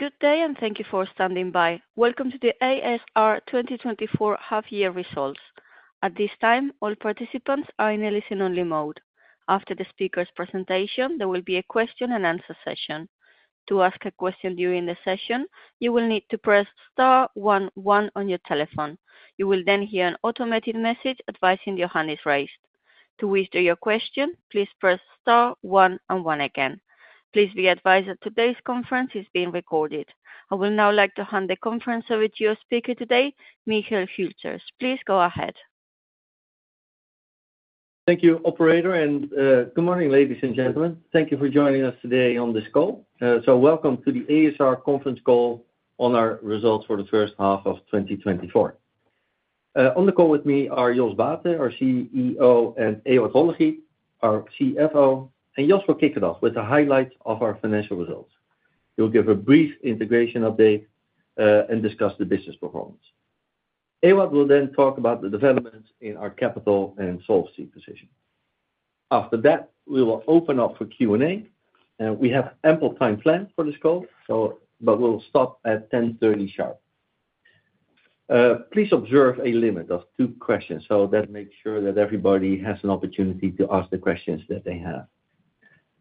Good day, and thank you for standing by. Welcome to the ASR 2024 half year results. At this time, all participants are in a listen-only mode. After the speaker's presentation, there will be a question and answer session. To ask a question during the session, you will need to press star one one on your telephone. You will then hear an automated message advising your hand is raised. To withdraw your question, please press star one and one again. Please be advised that today's conference is being recorded. I would now like to hand the conference over to your speaker today, Michel Hülters. Please go ahead. Thank you, operator, and good morning, ladies and gentlemen. Thank you for joining us today on this call. So welcome to the ASR conference call on our results for the first half of twenty twenty-four. On the call with me are Jos Baeten, our CEO, and Ewout Tollenaer, our CFO, and Jos will kick it off with the highlights of our financial results. He'll give a brief integration update, and discuss the business performance. Ewout will then talk about the developments in our capital and solvency position. After that, we will open up for Q&A, and we have ample time planned for this call, so but we'll stop at 10:30 A.M. sharp. Please observe a limit of two questions, so that makes sure that everybody has an opportunity to ask the questions that they have.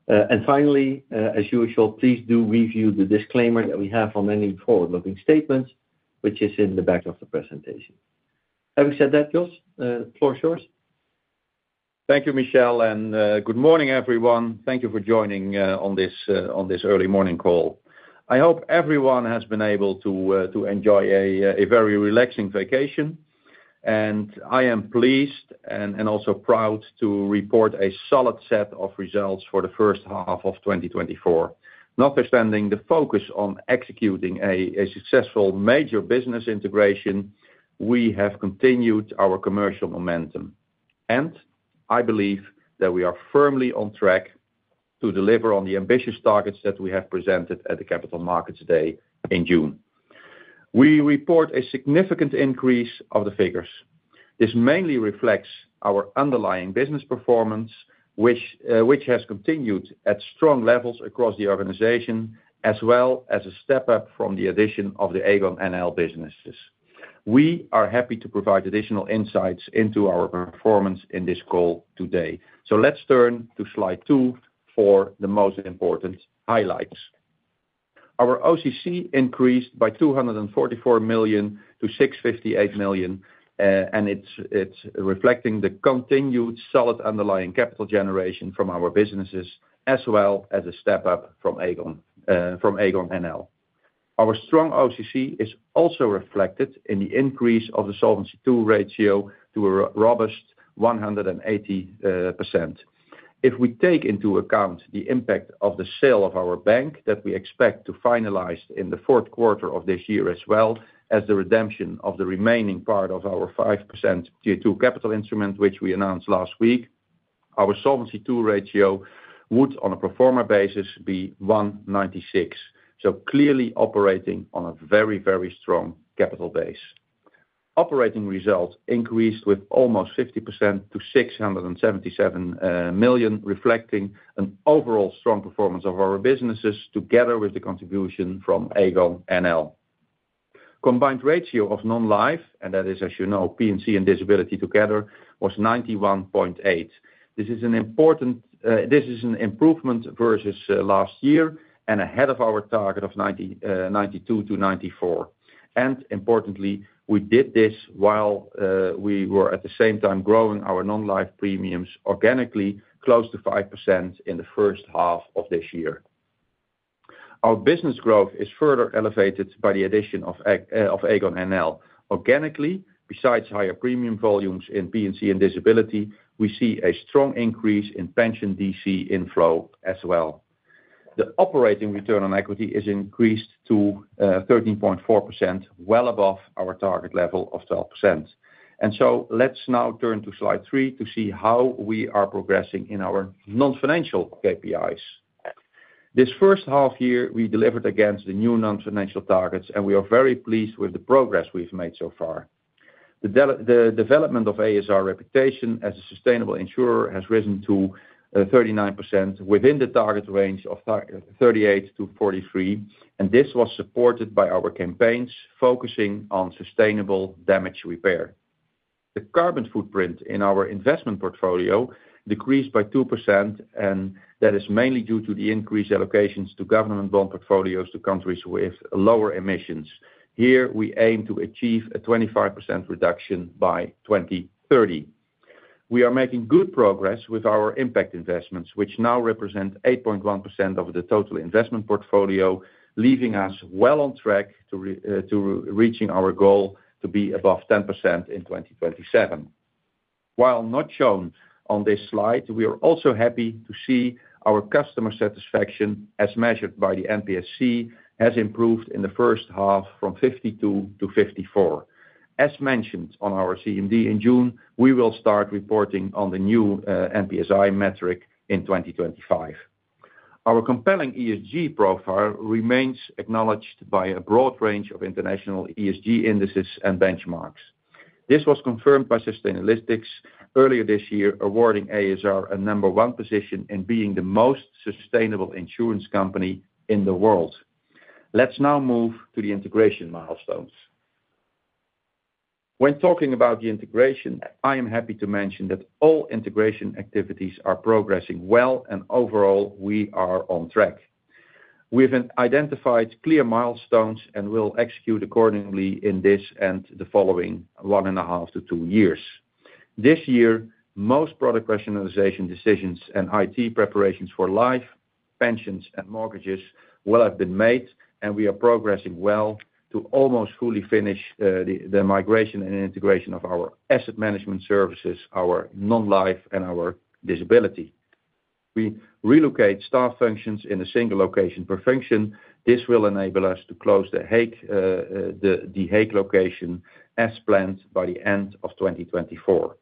And finally, as usual, please do review the disclaimer that we have on any forward-looking statements, which is in the back of the presentation. Having said that, Jos, floor is yours. Thank you, Michel, and good morning, everyone. Thank you for joining on this early morning call. I hope everyone has been able to enjoy a very relaxing vacation, and I am pleased and also proud to report a solid set of results for the first half of 2024. Notwithstanding the focus on executing a successful major business integration, we have continued our commercial momentum, and I believe that we are firmly on track to deliver on the ambitious targets that we have presented at the Capital Markets Day in June. We report a significant increase of the figures. This mainly reflects our underlying business performance, which has continued at strong levels across the organization, as well as a step up from the addition of the Aegon NL businesses. We are happy to provide additional insights into our performance in this call today. Let's turn to slide two for the most important highlights. Our OCC increased by 244 million to 658 million, and it's reflecting the continued solid underlying capital generation from our businesses, as well as a step up from Aegon, from Aegon NL. Our strong OCC is also reflected in the increase of the Solvency II ratio to a robust 180%. If we take into account the impact of the sale of our bank, that we expect to finalize in the fourth quarter of this year, as well as the redemption of the remaining part of our 5% Tier 2 capital instrument, which we announced last week, our Solvency II ratio would, on a pro forma basis be 196%. Clearly operating on a very, very strong capital base. Operating results increased with almost 50% to 677 million, reflecting an overall strong performance of our businesses together with the contribution from Aegon NL. Combined ratio of non-life, and that is, as you know, P&C and disability together, was 91.8%. This is an important improvement versus last year and ahead of our target of 92%-94%. Importantly, we did this while we were at the same time growing our non-life premiums organically, close to 5% in the first half of this year. Our business growth is further elevated by the addition of Aegon NL. Organically, besides higher premium volumes in P&C and disability, we see a strong increase in pension DC inflow as well. The operating return on equity is increased to 13.4%, well above our target level of 12%. And so let's now turn to slide 3 to see how we are progressing in our non-financial KPIs. This first half year, we delivered against the new non-financial targets, and we are very pleased with the progress we've made so far. The development of ASR reputation as a sustainable insurer has risen to 39% within the target range of 38-43, and this was supported by our campaigns focusing on sustainable damage repair. The carbon footprint in our investment portfolio decreased by 2%, and that is mainly due to the increased allocations to government bond portfolios to countries with lower emissions. Here, we aim to achieve a 25% reduction by 2030. We are making good progress with our impact investments, which now represent 8.1% of the total investment portfolio, leaving us well on track to reach our goal to be above 10% in 2027. While not shown on this slide, we are also happy to see our customer satisfaction, as measured by the NPSC, has improved in the first half from 52 to 54. As mentioned on our CMD in June, we will start reporting on the new NPSI metric in 2025. Our compelling ESG profile remains acknowledged by a broad range of international ESG indices and benchmarks. This was confirmed by Sustainalytics earlier this year, awarding ASR a number one position in being the most sustainable insurance company in the world. Let's now move to the integration milestones. When talking about the integration, I am happy to mention that all integration activities are progressing well, and overall, we are on track. We've identified clear milestones and will execute accordingly in this and the following one and a half to two years. This year, most product rationalization decisions and IT preparations for life, pensions, and mortgages will have been made, and we are progressing well to almost fully finish the migration and integration of our asset management services, our non-life, and our disability. We relocate staff functions in a single location per function. This will enable us to close The Hague location as planned by the end of 2024.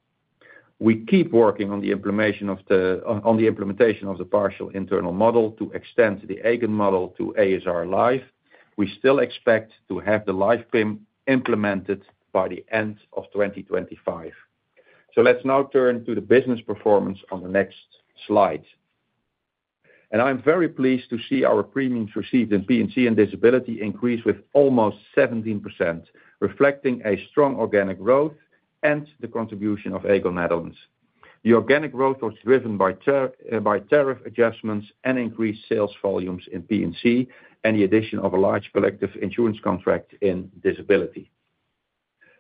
We keep working on the implementation of the partial internal model to extend the Aegon model to ASR Life. We still expect to have the life frame implemented by the end of twenty twenty-five. So let's now turn to the business performance on the next slide. And I'm very pleased to see our premiums received in P&C and disability increase with almost 17%, reflecting a strong organic growth and the contribution of Aegon Netherlands. The organic growth was driven by tariff adjustments and increased sales volumes in P&C, and the addition of a large collective insurance contract in disability.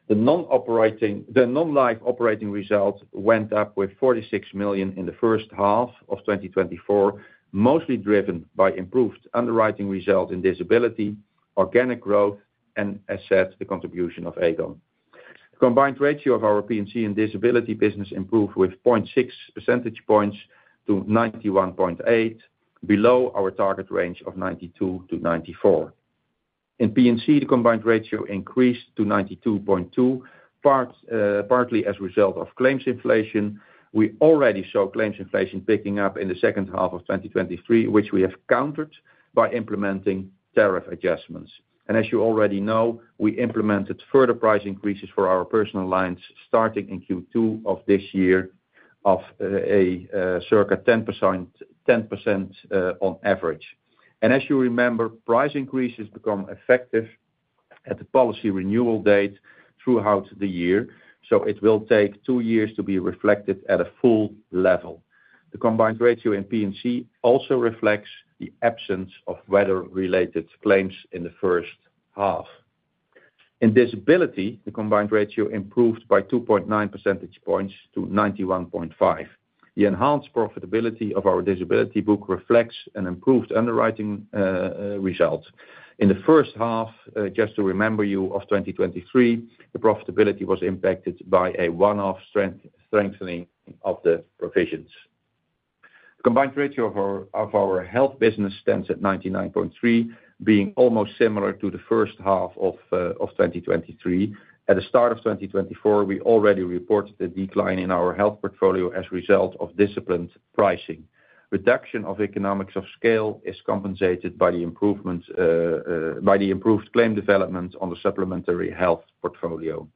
The non-life operating results went up with €46 million in the first half of twenty twenty-four, mostly driven by improved underwriting results in disability, organic growth, and as said, the contribution of Aegon. The combined ratio of our P&C and disability business improved with 0.6 percentage points to 91.8, below our target range of 92-94. In P&C, the combined ratio increased to 92.2%, partly as a result of claims inflation. We already saw claims inflation picking up in the second half of 2023, which we have countered by implementing tariff adjustments. As you already know, we implemented further price increases for our personal lines, starting in Q2 of this year, of circa 10%, 10% on average. As you remember, price increases become effective at the policy renewal date throughout the year, so it will take two years to be reflected at a full level. The combined ratio in P&C also reflects the absence of weather-related claims in the first half. In disability, the combined ratio improved by 2.9 percentage points to 91.5%. The enhanced profitability of our disability book reflects an improved underwriting result. In the first half, just to remind you, of 2023, the profitability was impacted by a one-off strengthening of the provisions. Combined ratio of our health business stands at 99.3%, being almost similar to the first half of 2023. At the start of 2024, we already reported a decline in our health portfolio as a result of disciplined pricing. Reduction of economies of scale is compensated by the improvements by the improved claim development on the supplementary health portfolio.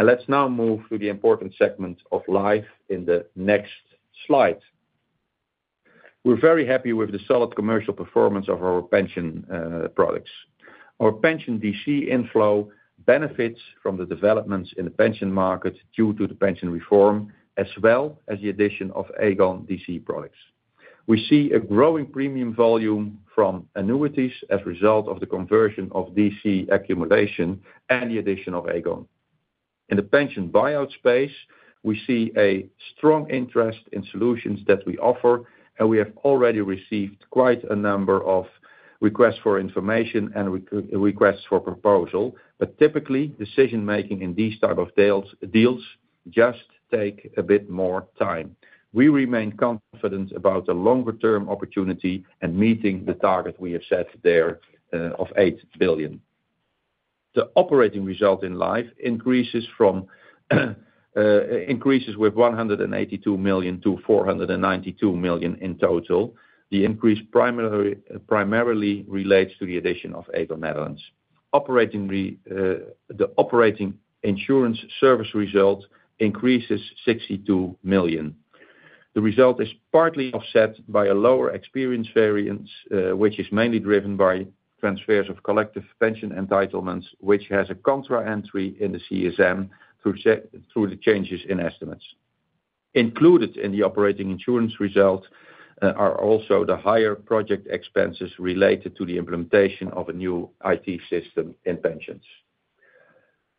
Let's now move to the important segment of life in the next slide. We're very happy with the solid commercial performance of our pension products. Our pension DC inflow benefits from the developments in the pension market due to the pension reform, as well as the addition of Aegon DC products. We see a growing premium volume from annuities as a result of the conversion of DC accumulation and the addition of Aegon. In the pension buyout space, we see a strong interest in solutions that we offer, and we have already received quite a number of requests for information and requests for proposal. But typically, decision-making in these type of deals just take a bit more time. We remain confident about the longer term opportunity and meeting the target we have set there of 8 billion. The operating result in life increases with 182 million to 492 million in total. The increase primarily relates to the addition of Aegon Netherlands. The operating insurance service result increases 62 million. The result is partly offset by a lower experience variance, which is mainly driven by transfers of collective pension entitlements, which has a contra entry in the CSM through the changes in estimates. Included in the operating insurance results are also the higher project expenses related to the implementation of a new IT system in pensions.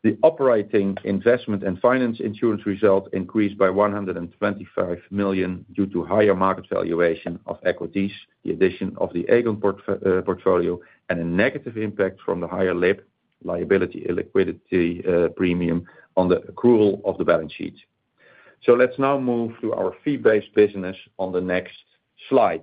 The operating investment and finance insurance result increased by 125 million due to higher market valuation of equities, the addition of the Aegon portfolio, and a negative impact from the higher illiquidity premium on the accrual of the balance sheet. So let's now move to our fee-based business on the next slide.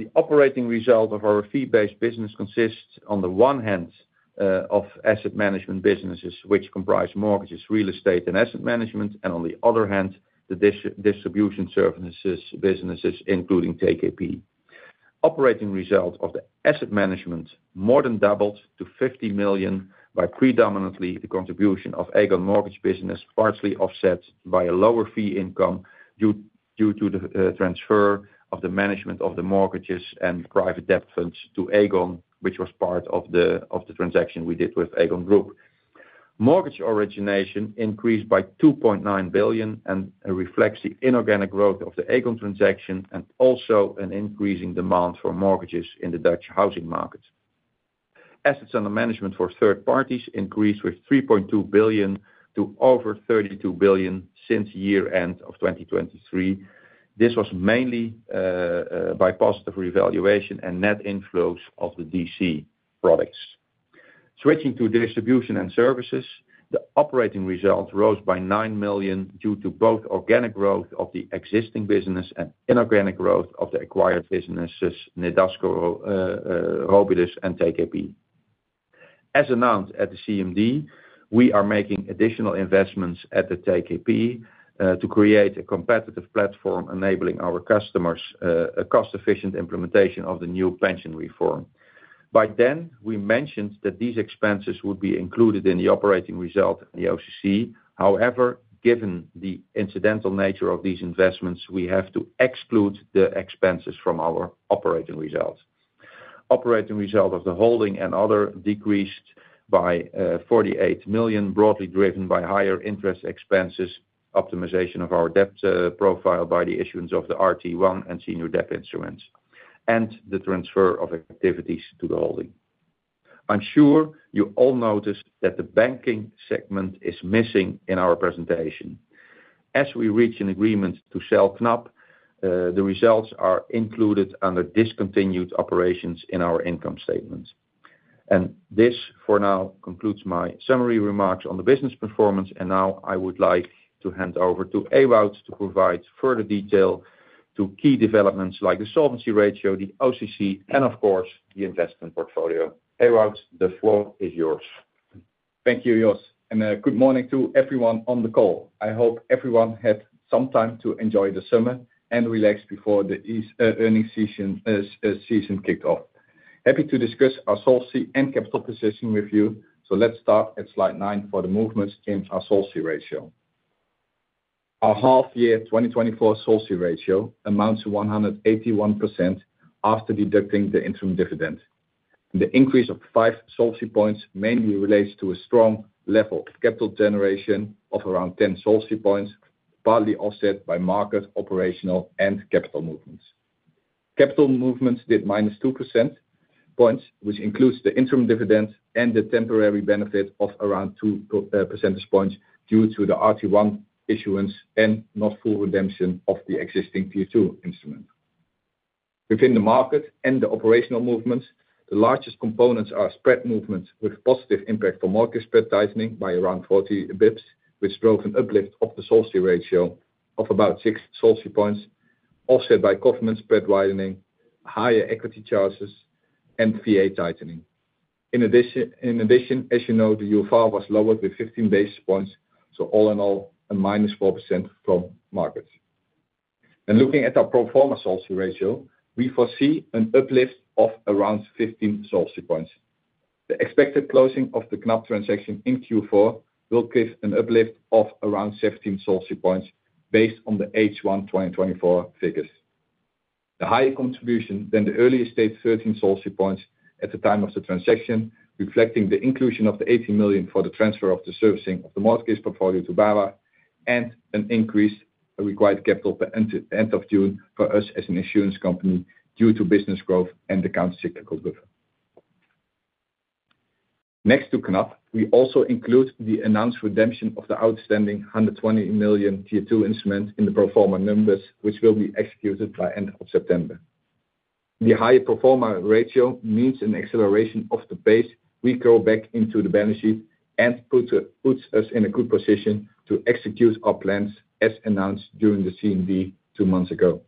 The operating result of our fee-based business consists, on the one hand, of asset management businesses, which comprise mortgages, real estate, and asset management, and on the other hand, the distribution services businesses, including TKP. Operating result of the asset management more than doubled to 50 million by predominantly the contribution of Aegon mortgage business, partially offset by a lower fee income due to the transfer of the management of the mortgages and private debt funds to Aegon, which was part of the transaction we did with Aegon Group. Mortgage origination increased by 2.9 billion and reflects the inorganic growth of the Aegon transaction and also an increasing demand for mortgages in the Dutch housing market. Assets under management for third parties increased with 3.2 billion to over 32 billion since year-end of 2023. This was mainly by positive revaluation and net inflows of the DC products. Switching to distribution and services, the operating results rose by 9 million due to both organic growth of the existing business and inorganic growth of the acquired businesses, Nedasco, Robidus and TKP. As announced at the CMD, we are making additional investments at the TKP to create a competitive platform enabling our customers a cost-efficient implementation of the new pension reform. By then, we mentioned that these expenses would be included in the operating result, the OCC. However, given the incidental nature of these investments, we have to exclude the expenses from our operating results. Operating result of the holding and other decreased by 48 million, broadly driven by higher interest expenses, optimization of our debt profile by the issuance of the RT1 and senior debt instruments, and the transfer of activities to the holding. I'm sure you all noticed that the banking segment is missing in our presentation. As we reach an agreement to sell Knab, the results are included under discontinued operations in our income statement. And this, for now, concludes my summary remarks on the business performance, and now I would like to hand over to Ewout to provide further detail to key developments like the solvency ratio, the OCC, and of course, the investment portfolio. Ewout, the floor is yours. Thank you, Jos, and good morning to everyone on the call. I hope everyone had some time to enjoy the summer and relax before the earning season kicked off. Happy to discuss our solvency and capital position with you, so let's start at slide 9 for the movements in our solvency ratio. Our half-year 2024 solvency ratio amounts to 181% after deducting the interim dividend. The increase of five solvency points mainly relates to a strong level of capital generation of around 10 solvency points, partly offset by market, operational, and capital movements. Capital movements did minus 2 percentage points, which includes the interim dividend and the temporary benefit of around two percentage points due to the RT1 issuance and not full redemption of the existing Tier 2 instrument. Within the market and the operational movements, the largest components are spread movements with positive impact from market spread tightening by around 40 basis points, which drove an uplift of the solvency ratio of about six solvency points, offset by government spread widening, higher equity charges, and VA tightening. In addition, as you know, the UFR was lowered with fifteen basis points, so all in all, a minus 4% from markets. And looking at our pro forma solvency ratio, we foresee an uplift of around 15 solvency points. The expected closing of the Knab transaction in Q4 will give an uplift of around 17 solvency points based on the H1 2024 figures. The higher contribution than the earlier state, 13 solvency points at the time of the transaction, reflecting the inclusion of the 80 million for the transfer of the servicing of the mortgage portfolio to BAWAG, and an increase in required capital by end of June for us as an insurance company due to business growth and the countercyclical buffer. Next to Knab, we also include the announced redemption of the outstanding 120 million Tier 2 instruments in the pro forma numbers, which will be executed by end of September. The higher pro forma ratio means an acceleration of the pace we go back into the balance sheet and puts us in a good position to execute our plans as announced during the CMD two months ago.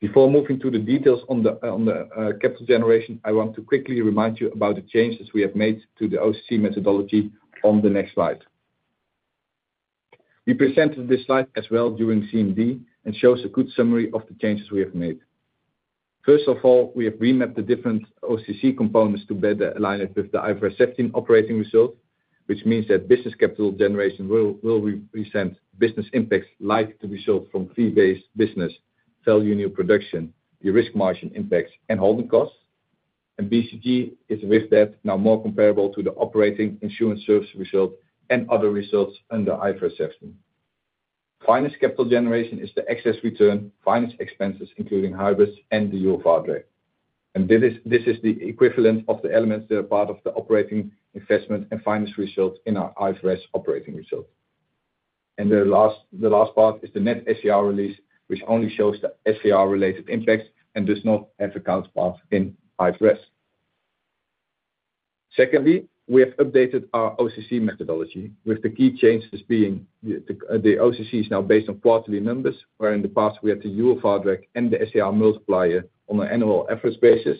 Before moving to the details on the capital generation, I want to quickly remind you about the changes we have made to the OCC methodology on the next slide. We presented this slide as well during CMD and shows a good summary of the changes we have made. First of all, we have remapped the different OCC components to better align it with the IFRS 17 operating result, which means that business capital generation will re-present business impacts likely to be shown from fee-based business, value new production, the risk margin impacts, and holding costs. BCG is with that now more comparable to the operating insurance service result and other results under IFRS 17. Finance capital generation is the excess return, finance expenses, including hybrids and the UFR rate. This is, this is the equivalent of the elements that are part of the operating investment and finance results in our IFRS operating results. The last part is the net SCR release, which only shows the SCR-related impacts and does not have a counterpart in IFRS. Secondly, we have updated our OCC methodology, with the key changes being the OCC is now based on quarterly numbers, where in the past we had the UFR drag and the SCR multiplier on an annual IFRS basis.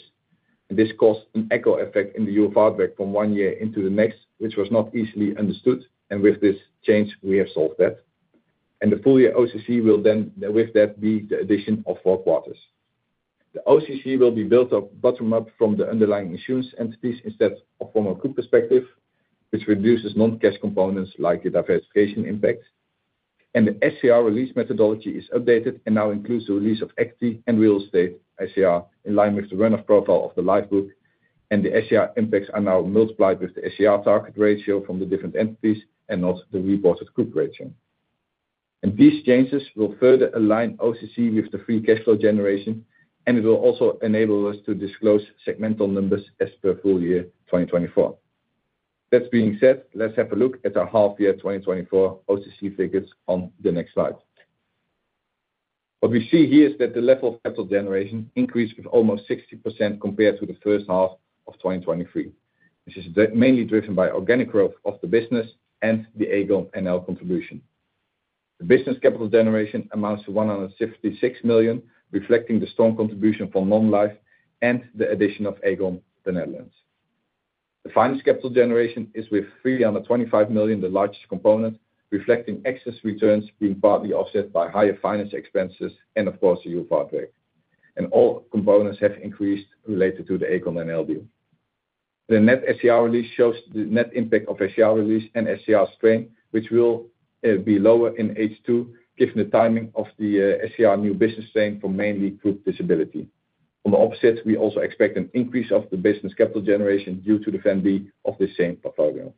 This caused an echo effect in the UFR drag from one year into the next, which was not easily understood, and with this change, we have solved that. The full year OCC will then, with that, be the addition of four quarters. The OCC will be built up bottom-up from the underlying insurance entities instead of from a group perspective, which reduces non-cash components like the diversification impact. And the SCR release methodology is updated and now includes the release of equity and real estate SCR, in line with the run-off profile of the lifebook, and the SCR impacts are now multiplied with the SCR target ratio from the different entities, and also the reported group ratio. And these changes will further align OCC with the free cash flow generation, and it will also enable us to disclose segmental numbers as per full year 2024. That being said, let's have a look at our half year 2024 OCC figures on the next slide. What we see here is that the level of capital generation increased with almost 60% compared to the first half of 2023. This is mainly driven by organic growth of the business and the Aegon NL contribution. The business capital generation amounts to 156 million, reflecting the strong contribution from Non-Life and the addition of Aegon, the Netherlands. The finance capital generation is with 325 million, the largest component, reflecting excess returns being partly offset by higher finance expenses and of course, the UFR drag, and all components have increased related to the Aegon NL deal. The net SCR release shows the net impact of SCR release and SCR strain, which will be lower in H2, given the timing of the SCR new business strain from mainly group disability. On the opposite, we also expect an increase of the business capital generation due to the VNP of the same portfolio.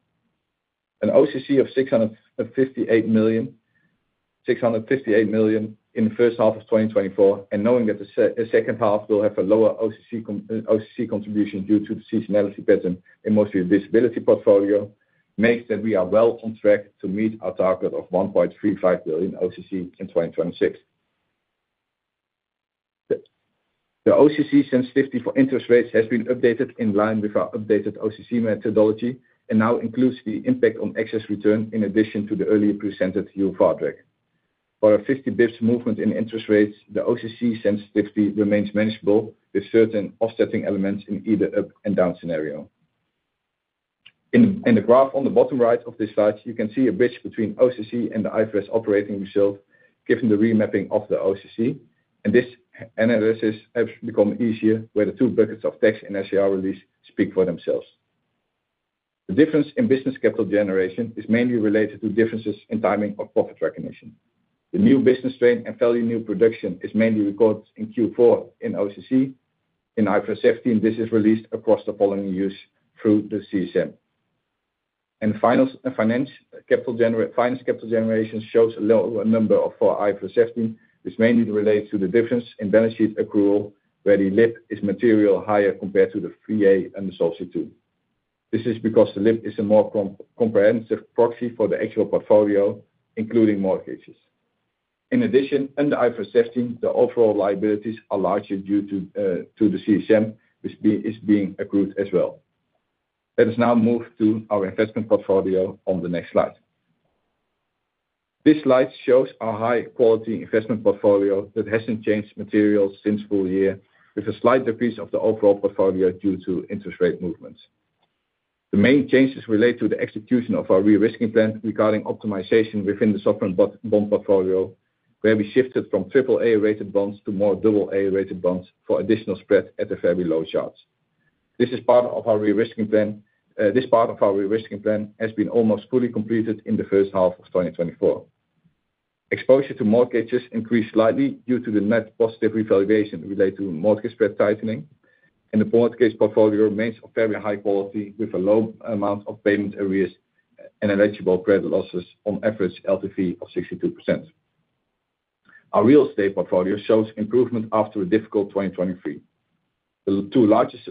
An OCC of 658 million in the first half of twenty twenty-four, and knowing that the second half will have a lower OCC contribution due to the seasonality pattern in mostly the disability portfolio, makes that we are well on track to meet our target of 1.35 billion OCC in twenty twenty-six. The OCC sensitivity for interest rates has been updated in line with our updated OCC methodology, and now includes the impact on excess return in addition to the earlier presented UFR drag. For a 50 basis points movement in interest rates, the OCC sensitivity remains manageable, with certain offsetting elements in either up and down scenario. In the graph on the bottom right of this slide, you can see a bridge between OCC and the IFRS operating result, given the remapping of the OCC. This analysis has become easier, where the two buckets of tax and SCR release speak for themselves. The difference in business capital generation is mainly related to differences in timing of profit recognition. The new business strain and value of new production is mainly recorded in Q4 in OCC. In IFRS 17, this is released across the following years through the CSM. Finance capital generation shows a lower number for IFRS 17, which mainly relates to the difference in balance sheet accrual, where the LIP is materially higher compared to the VA and the Solvency II. This is because the LIP is a more comprehensive proxy for the actual portfolio, including mortgages. In addition, under IFRS 17, the overall liabilities are larger due to the CSM, which is being accrued as well. Let us now move to our investment portfolio on the next slide. This slide shows our high-quality investment portfolio that hasn't changed materially since full year, with a slight decrease of the overall portfolio due to interest rate movements. The main changes relate to the execution of our de-risking plan regarding optimization within the sovereign bond portfolio, where we shifted from triple A-rated bonds to more double A-rated bonds for additional spread at a very low charge. This is part of our de-risking plan, this part of our de-risking plan has been almost fully completed in the first half of twenty twenty-four. Exposure to mortgages increased slightly due to the net positive revaluation related to mortgage spread tightening, and the mortgage portfolio remains of very high quality, with a low amount of payment arrears and eligible credit losses on average LTV of 62%. Our real estate portfolio shows improvement after a difficult 2023. The two largest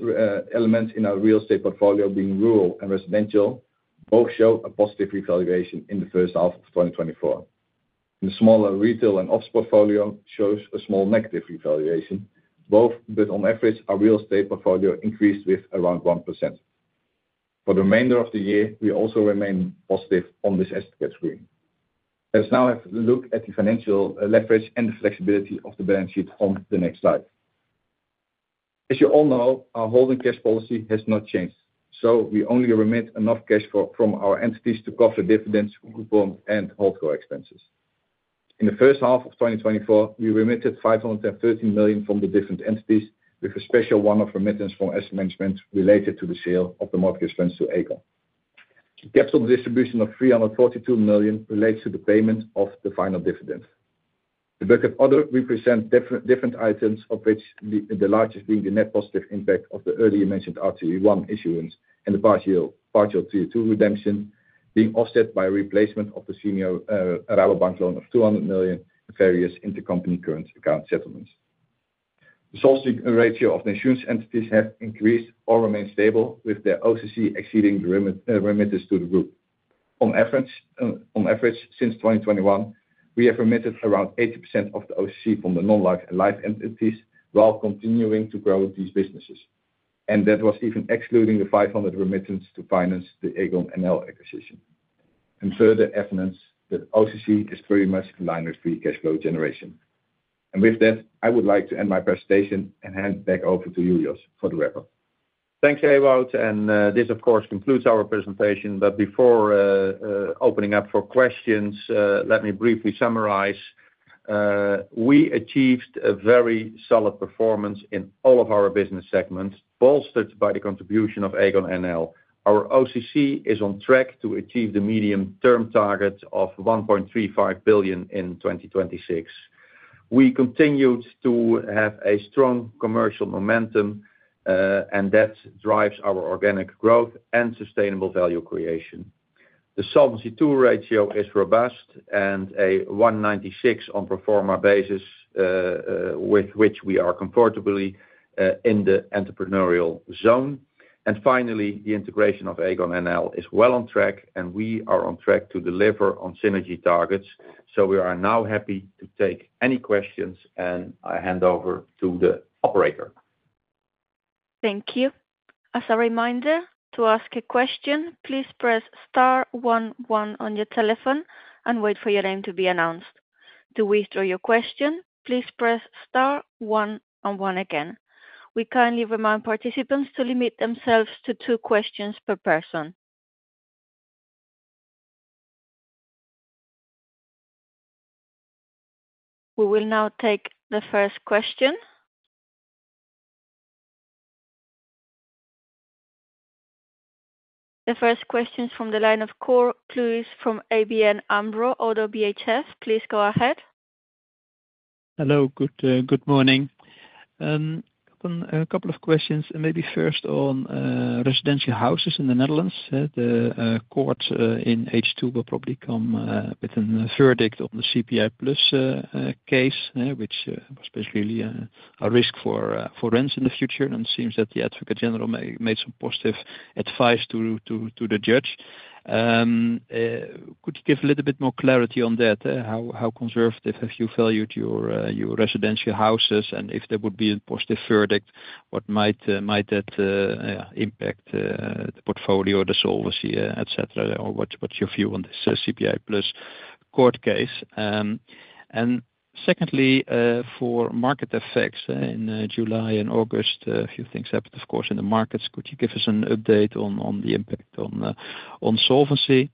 elements in our real estate portfolio, being rural and residential, both show a positive revaluation in the first half of 2024. The smaller retail and offices portfolio shows a small negative revaluation, but on average, our real estate portfolio increased with around 1%. For the remainder of the year, we also remain positive on this asset category. Let's now have a look at the financial leverage and the flexibility of the balance sheet on the next slide. As you all know, our holding cash policy has not changed, so we only remit enough cash flow from our entities to cover dividends, coupon, and hardcore expenses. In the first half of 2024, we remitted 513 million from the different entities, with a special one-off remittance from asset management related to the sale of the mortgage funds to Aegon. Capital distribution of 342 million relates to the payment of the final dividend. The bulk of other represents different items, of which the largest being the net positive impact of the earlier mentioned RT1 issuance and the partial tier two redemption, being offset by replacement of the senior Rabobank loan of 200 million in various intercompany current account settlements. The sourcing ratio of the insurance entities have increased or remained stable, with their OCC exceeding the remit remittances to the group. On average, since 2021, we have remitted around 80% of the OCC from the Non-Life and Life entities, while continuing to grow these businesses, and that was even excluding the 500 remittance to finance the Aegon NL acquisition. Further evidence that OCC is very much in line with free cash flow generation. With that, I would like to end my presentation and hand it back over to Jos for the wrap-up. Thanks, Ewout, and this of course concludes our presentation. But before opening up for questions, let me briefly summarize. We achieved a very solid performance in all of our business segments, bolstered by the contribution of Aegon NL. Our OCC is on track to achieve the medium-term target of 1.35 billion in 2026. We continued to have a strong commercial momentum, and that drives our organic growth and sustainable value creation. The Solvency II ratio is robust and 196 on pro forma basis, with which we are comfortably in the entrepreneurial zone. And finally, the integration of Aegon NL is well on track, and we are on track to deliver on synergy targets. So we are now happy to take any questions, and I hand over to the operator. Thank you. As a reminder, to ask a question, please press star one one on your telephone and wait for your name to be announced. To withdraw your question, please press star one and one again. We kindly remind participants to limit themselves to two questions per person. We will now take the first question. The first question is from the line of Cor Kluis from ABN AMRO, ODDO BHF. Please go ahead. Hello, good morning. A couple of questions, and maybe first on residential houses in the Netherlands. The court in H2 will probably come with a verdict on the CPI plus case, which was basically a risk for rents in the future, and it seems that the Advocate General made some positive advice to the judge. Could you give a little bit more clarity on that? How conservative have you valued your residential houses, and if there would be a positive verdict, what might that impact the portfolio, the solvency, et cetera, or what's your view on this CPI plus court case? And secondly, for market effects in July and August, a few things happened, of course, in the markets. Could you give us an update on the impact on solvency?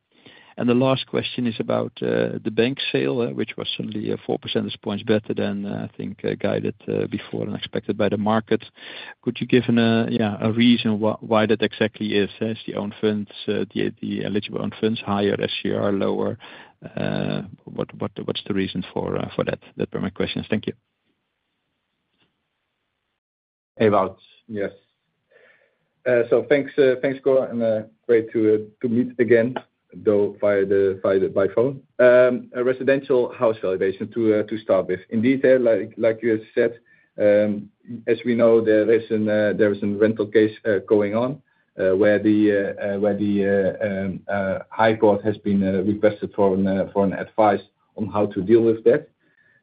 And the last question is about the bank sale, which was certainly four percentage points better than I think guided before and expected by the market. Could you give a reason why that exactly is? Is the own funds, the eligible own funds higher, SCR lower? What is the reason for that? That were my questions. Thank you. Ewout. Yes. So thanks, Cor, and great to meet again, though by phone. A residential house valuation to start with. In detail, like you said, as we know, there is a rental case going on, where the high court has been requested for advice on how to deal with that.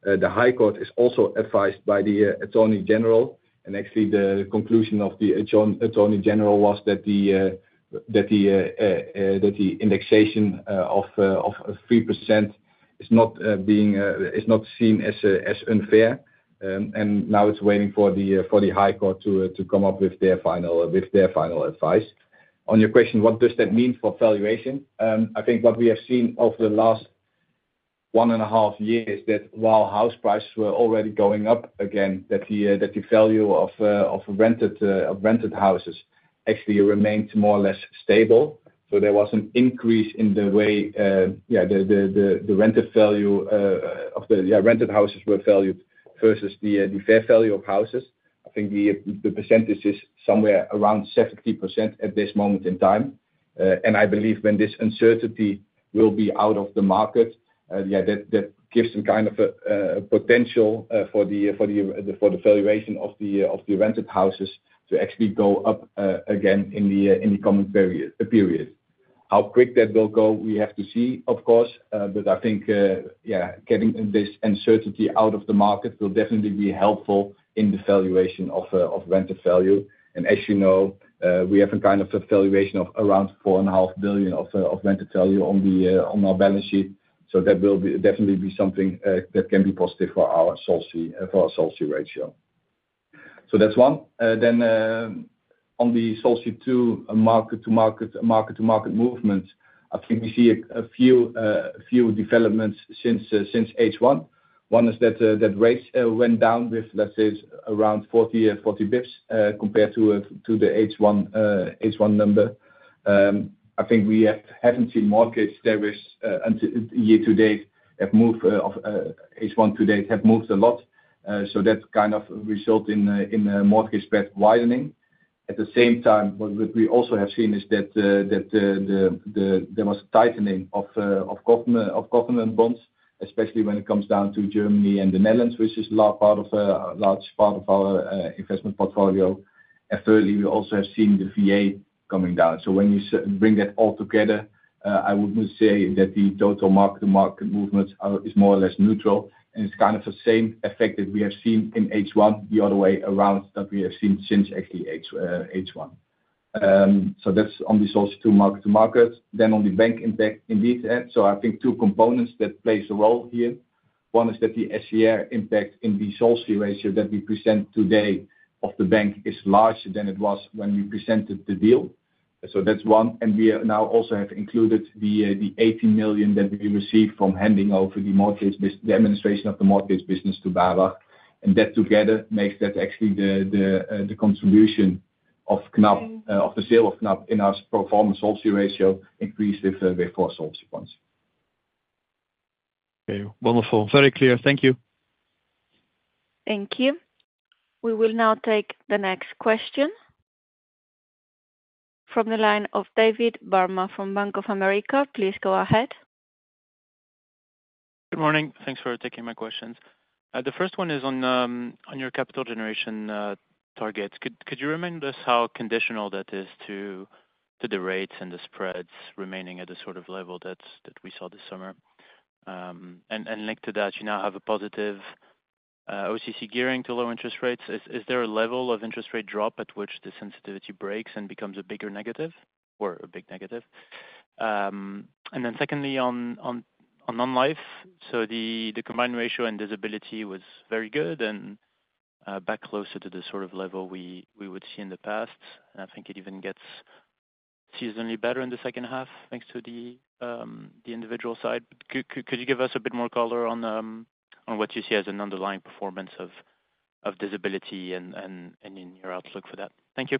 The high court is also advised by the attorney general, and actually, the conclusion of the attorney general was that the indexation of 3% is not seen as unfair. And now it's waiting for the high court to come up with their final advice. On your question, what does that mean for valuation? I think what we have seen over the last one and a half years is that while house prices were already going up again, the value of rented houses actually remained more or less stable. So there was an increase in the way the rented value of rented houses were valued versus the fair value of houses. I think the percentage is somewhere around 70% at this moment in time. I believe when this uncertainty will be out of the market, yeah, that gives some kind of potential for the valuation of the rented houses to actually go up again in the coming period. How quick that will go, we have to see, of course, but I think, yeah, getting this uncertainty out of the market will definitely be helpful in the valuation of rented value. And as you know, we have a kind of valuation of around 4.5 billion of rented value on our balance sheet. So that will definitely be something that can be positive for our solvency ratio. So that's one. Then, on the Solvency II mark-to-market, mark-to-market movement, I think we see a few developments since H1. One is that rates went down with, let's say, around 40 basis points, compared to the H1 number. I think we haven't seen mortgage rates until year to date have moved from H1 to date have moved a lot. So that's kind of result in a mortgage spread widening. At the same time, what we also have seen is that there was a tightening of government bonds, especially when it comes down to Germany and the Netherlands, which is large part of our investment portfolio. Thirdly, we also have seen the VA coming down. So when you bring that all together, I would say that the total mark-to-market movements are more or less neutral, and it's kind of the same effect that we have seen in H1, the other way around, that we have seen since actually H1. So that's on the solvency to mark-to-market, then on the bank impact indeed. So I think two components that plays a role here. One is that the SCR impact in the solvency ratio that we present today of the bank is larger than it was when we presented the deal. So that's one, and we have now also included the 80 million that we received from handing over the mortgage business, the administration of the mortgage business to BAWAG. And that together makes that actually the contribution of Knab, of the sale of Knab in our pro forma solvency ratio increased it before solvency ones. Okay, wonderful. Very clear. Thank you. Thank you. We will now take the next question from the line of David Barma from Bank of America. Please go ahead. Good morning. Thanks for taking my questions. The first one is on your capital generation targets. Could you remind us how conditional that is to the rates and the spreads remaining at the sort of level that we saw this summer? And linked to that, you now have a positive OCC gearing to low interest rates. Is there a level of interest rate drop at which the sensitivity breaks and becomes a bigger negative or a big negative? And then secondly, on non-life, so the combined ratio and disability was very good and back closer to the sort of level we would see in the past. I think it even gets seasonally better in the second half, thanks to the individual side. Could you give us a bit more color on what you see as an underlying performance of disability and in your outlook for that? Thank you.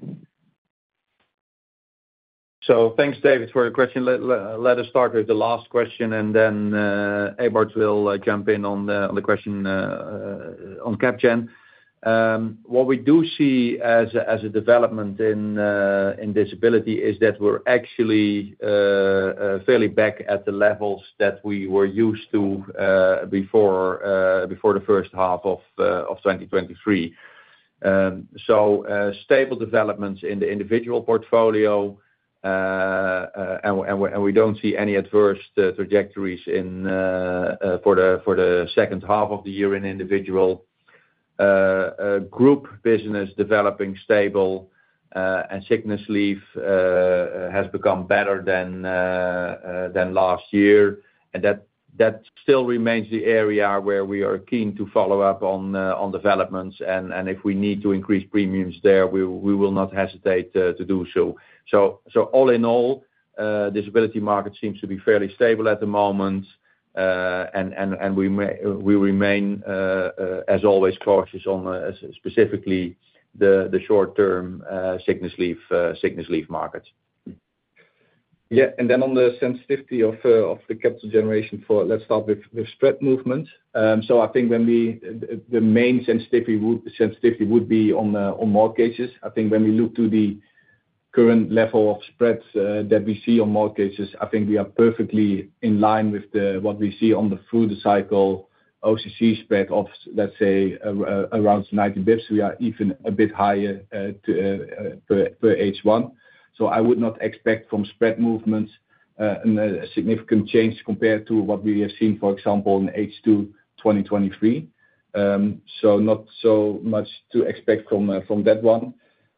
So thanks, David, for your question. Let us start with the last question, and then Ewout will jump in on the question on CapGen. What we do see as a development in disability is that we're actually fairly back at the levels that we were used to before the first half of 2023. So stable developments in the individual portfolio, and we don't see any adverse trajectories for the second half of the year in individual. Group business developing stable, and sickness leave has become better than last year. And that still remains the area where we are keen to follow up on developments. If we need to increase premiums there, we will not hesitate to do so. All in all, disability market seems to be fairly stable at the moment. We remain, as always, focused on specifically the short-term sickness leave markets. Yeah, and then on the sensitivity of the capital generation for... Let's start with spread movement. So I think the main sensitivity would be on mortgages. I think when we look to the current level of spreads that we see on mortgages, I think we are perfectly in line with what we see on the through the cycle OCC spread of, let's say, around 90 basis points. We are even a bit higher to per H1. So I would not expect from spread movements a significant change compared to what we have seen, for example, in H2 2023. So not so much to expect from that one.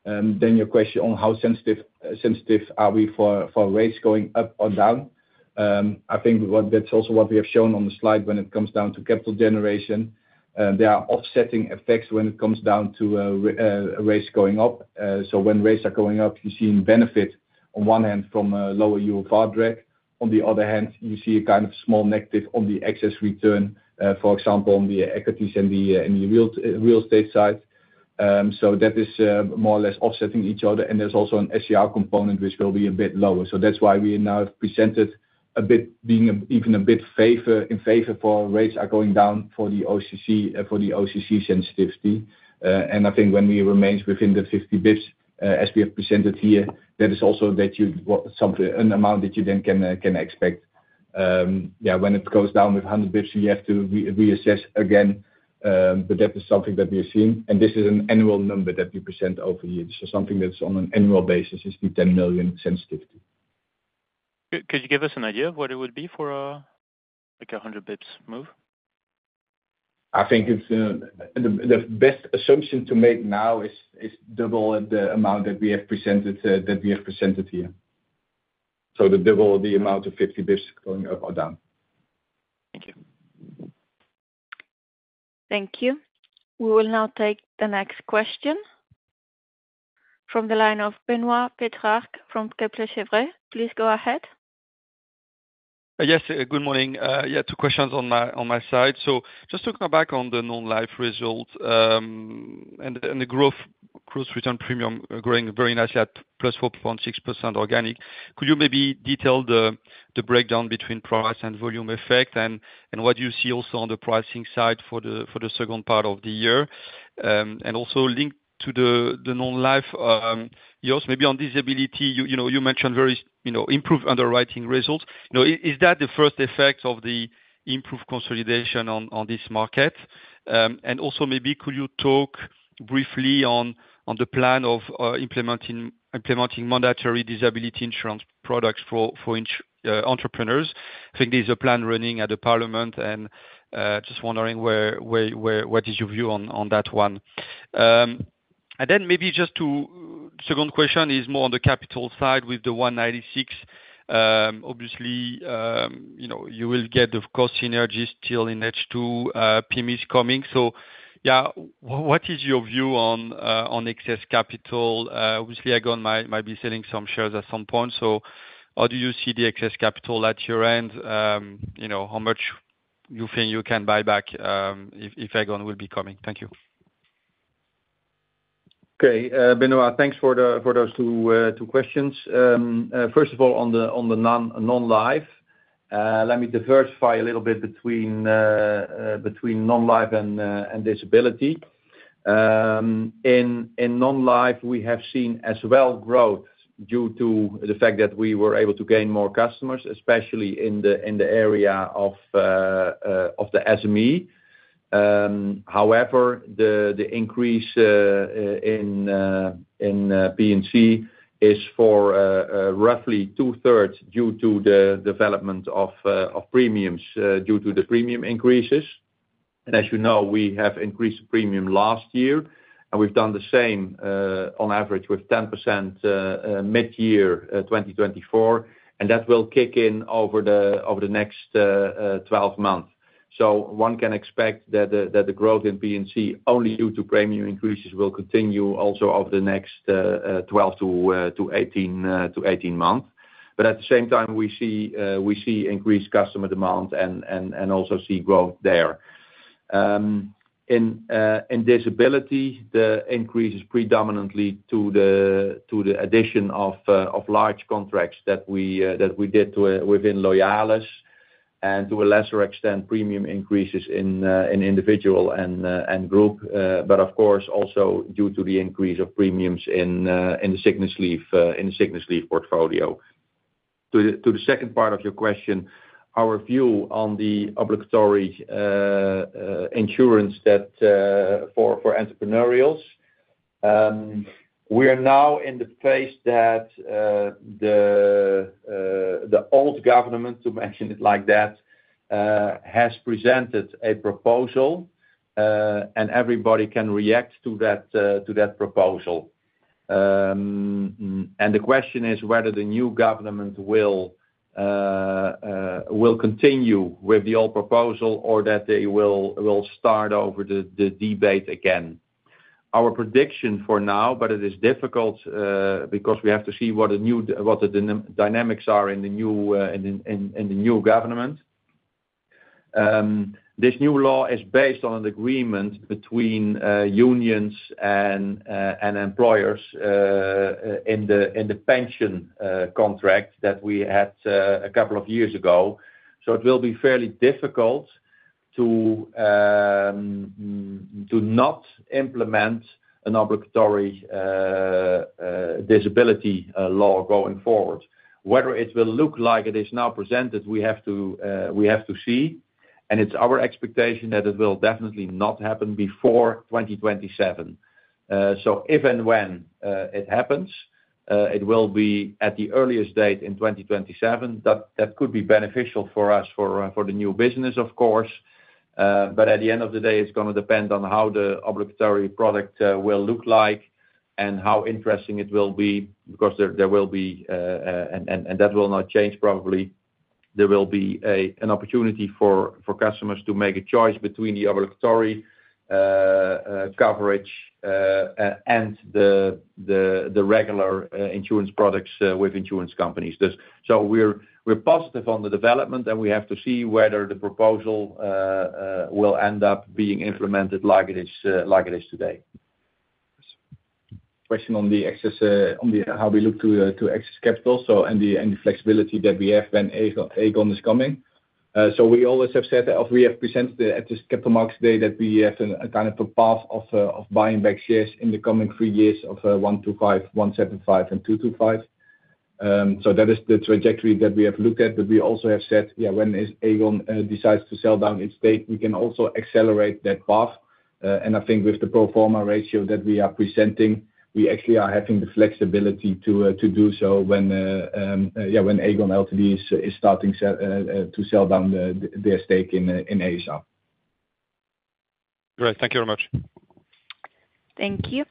Then your question on how sensitive are we for rates going up or down? I think that's also what we have shown on the slide when it comes down to capital generation. There are offsetting effects when it comes down to rates going up. So when rates are going up, you're seeing benefit on one hand from a lower yield bar drag. On the other hand, you see a kind of small negative on the excess return, for example, on the equities and the real estate side. So that is more or less offsetting each other. And there's also an SCR component, which will be a bit lower. So that's why we now have presented a bit, being even a bit in favor for rates are going down for the OCC, for the OCC sensitivity. I think when we remains within the 50 basis points, as we have presented here, that is also an amount that you then can expect. Yeah, when it goes down with 100 basis points, you have to reassess again. But that is something that we are seeing, and this is an annual number that we present over here. Something that's on an annual basis is the 10 million sensitivity. Could you give us an idea of what it would be for, like, a hundred basis points move? I think it's the best assumption to make now is double the amount that we have presented here. So double the amount of 50 basis points going up or down. Thank you. Thank you. We will now take the next question from the line of Benoît Pétrarque from Kepler Cheuvreux. Please go ahead. Yes, good morning. Yeah, two questions on my side. So just to come back on the non-life result, and the growth return premium growing very nicely at +4.6% organic, could you maybe detail the breakdown between price and volume effect and what you see also on the pricing side for the second part of the year? And also linked to the non-life, yes, maybe on disability, you know, you mentioned very, you know, improved underwriting results. Now, is that the first effect of the improved consolidation on this market? And also, maybe could you talk briefly on the plan of implementing mandatory disability insurance products for entrepreneurs? I think there's a plan running at the parliament, and just wondering what is your view on that one? And then maybe just Second question is more on the capital side with the 196. Obviously, you know, you will get, of course, synergies still in H2, PIM is coming. So, yeah, what is your view on excess capital? Obviously, Aegon might be selling some shares at some point, so how do you see the excess capital at your end? You know, how much you think you can buy back, if Aegon will be coming? Thank you. Okay, Benoît, thanks for the, for those two questions. First of all, on the non-life, let me diversify a little bit between non-life and disability. In non-life, we have seen as well growth due to the fact that we were able to gain more customers, especially in the area of the SME. However, the increase in PNC is for roughly two thirds due to the development of premiums due to the premium increases. And as you know, we have increased premium last year, and we've done the same, on average with 10%, mid-year, 2024, and that will kick in over the next 12 months. So one can expect that the growth in P&C, only due to premium increases, will continue also over the next twelve to eighteen months. But at the same time, we see increased customer demand and also see growth there. In disability, the increase is predominantly due to the addition of large contracts that we did within Loyalis, and to a lesser extent, premium increases in individual and group. But of course, also due to the increase of premiums in the sickness leave portfolio. To the second part of your question, our view on the obligatory insurance for entrepreneurials. We are now in the phase that the old government, to mention it like that, has presented a proposal, and everybody can react to that proposal. The question is whether the new government will continue with the old proposal or that they will start over the debate again. Our prediction for now, but it is difficult, because we have to see what the dynamics are in the new government. This new law is based on an agreement between unions and employers in the pension contract that we had a couple of years ago. It will be fairly difficult to not implement an obligatory disability law going forward. Whether it will look like it is now presented, we have to see, and it's our expectation that it will definitely not happen before twenty twenty-seven. So if and when it happens, it will be at the earliest date in twenty twenty-seven. That could be beneficial for us, for the new business, of course. But at the end of the day, it's gonna depend on how the obligatory product will look like and how interesting it will be. Because there will be and that will not change probably. There will be an opportunity for customers to make a choice between the obligatory coverage and the regular insurance products with insurance companies. We are positive on the development, and we have to see whether the proposal will end up being implemented like it is today. Question on the excess, on how we look to excess capital, and the flexibility that we have when Aegon is coming. We always have said that or we have presented at this Capital Markets Day, that we have a kind of a path of buying back shares in the coming three years of 125, 175, and 225. So that is the trajectory that we have looked at. But we also have said, yeah, when Aegon decides to sell down its stake, we can also accelerate that path. And I think with the pro forma ratio that we are presenting, we actually are having the flexibility to do so when, yeah, when Aegon Ltd is starting to sell down their stake in a.s.r. Great. Thank you very much. Thank you.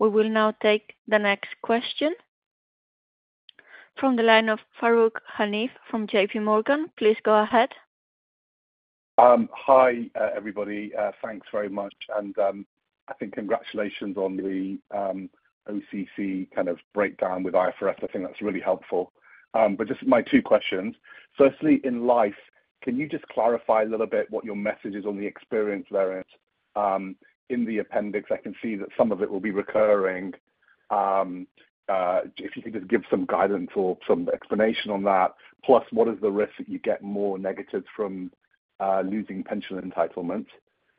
We will now take the next question. From the line of Farooq Hanif from J.P. Morgan, please go ahead. Hi, everybody. Thanks very much, and I think congratulations on the OCC kind of breakdown with IFRS. I think that's really helpful. But just my two questions: firstly, in Life, can you just clarify a little bit what your message is on the experience variance in the appendix? I can see that some of it will be recurring. If you could just give some guidance or some explanation on that. Plus, what is the risk that you get more negatives from losing pension entitlement?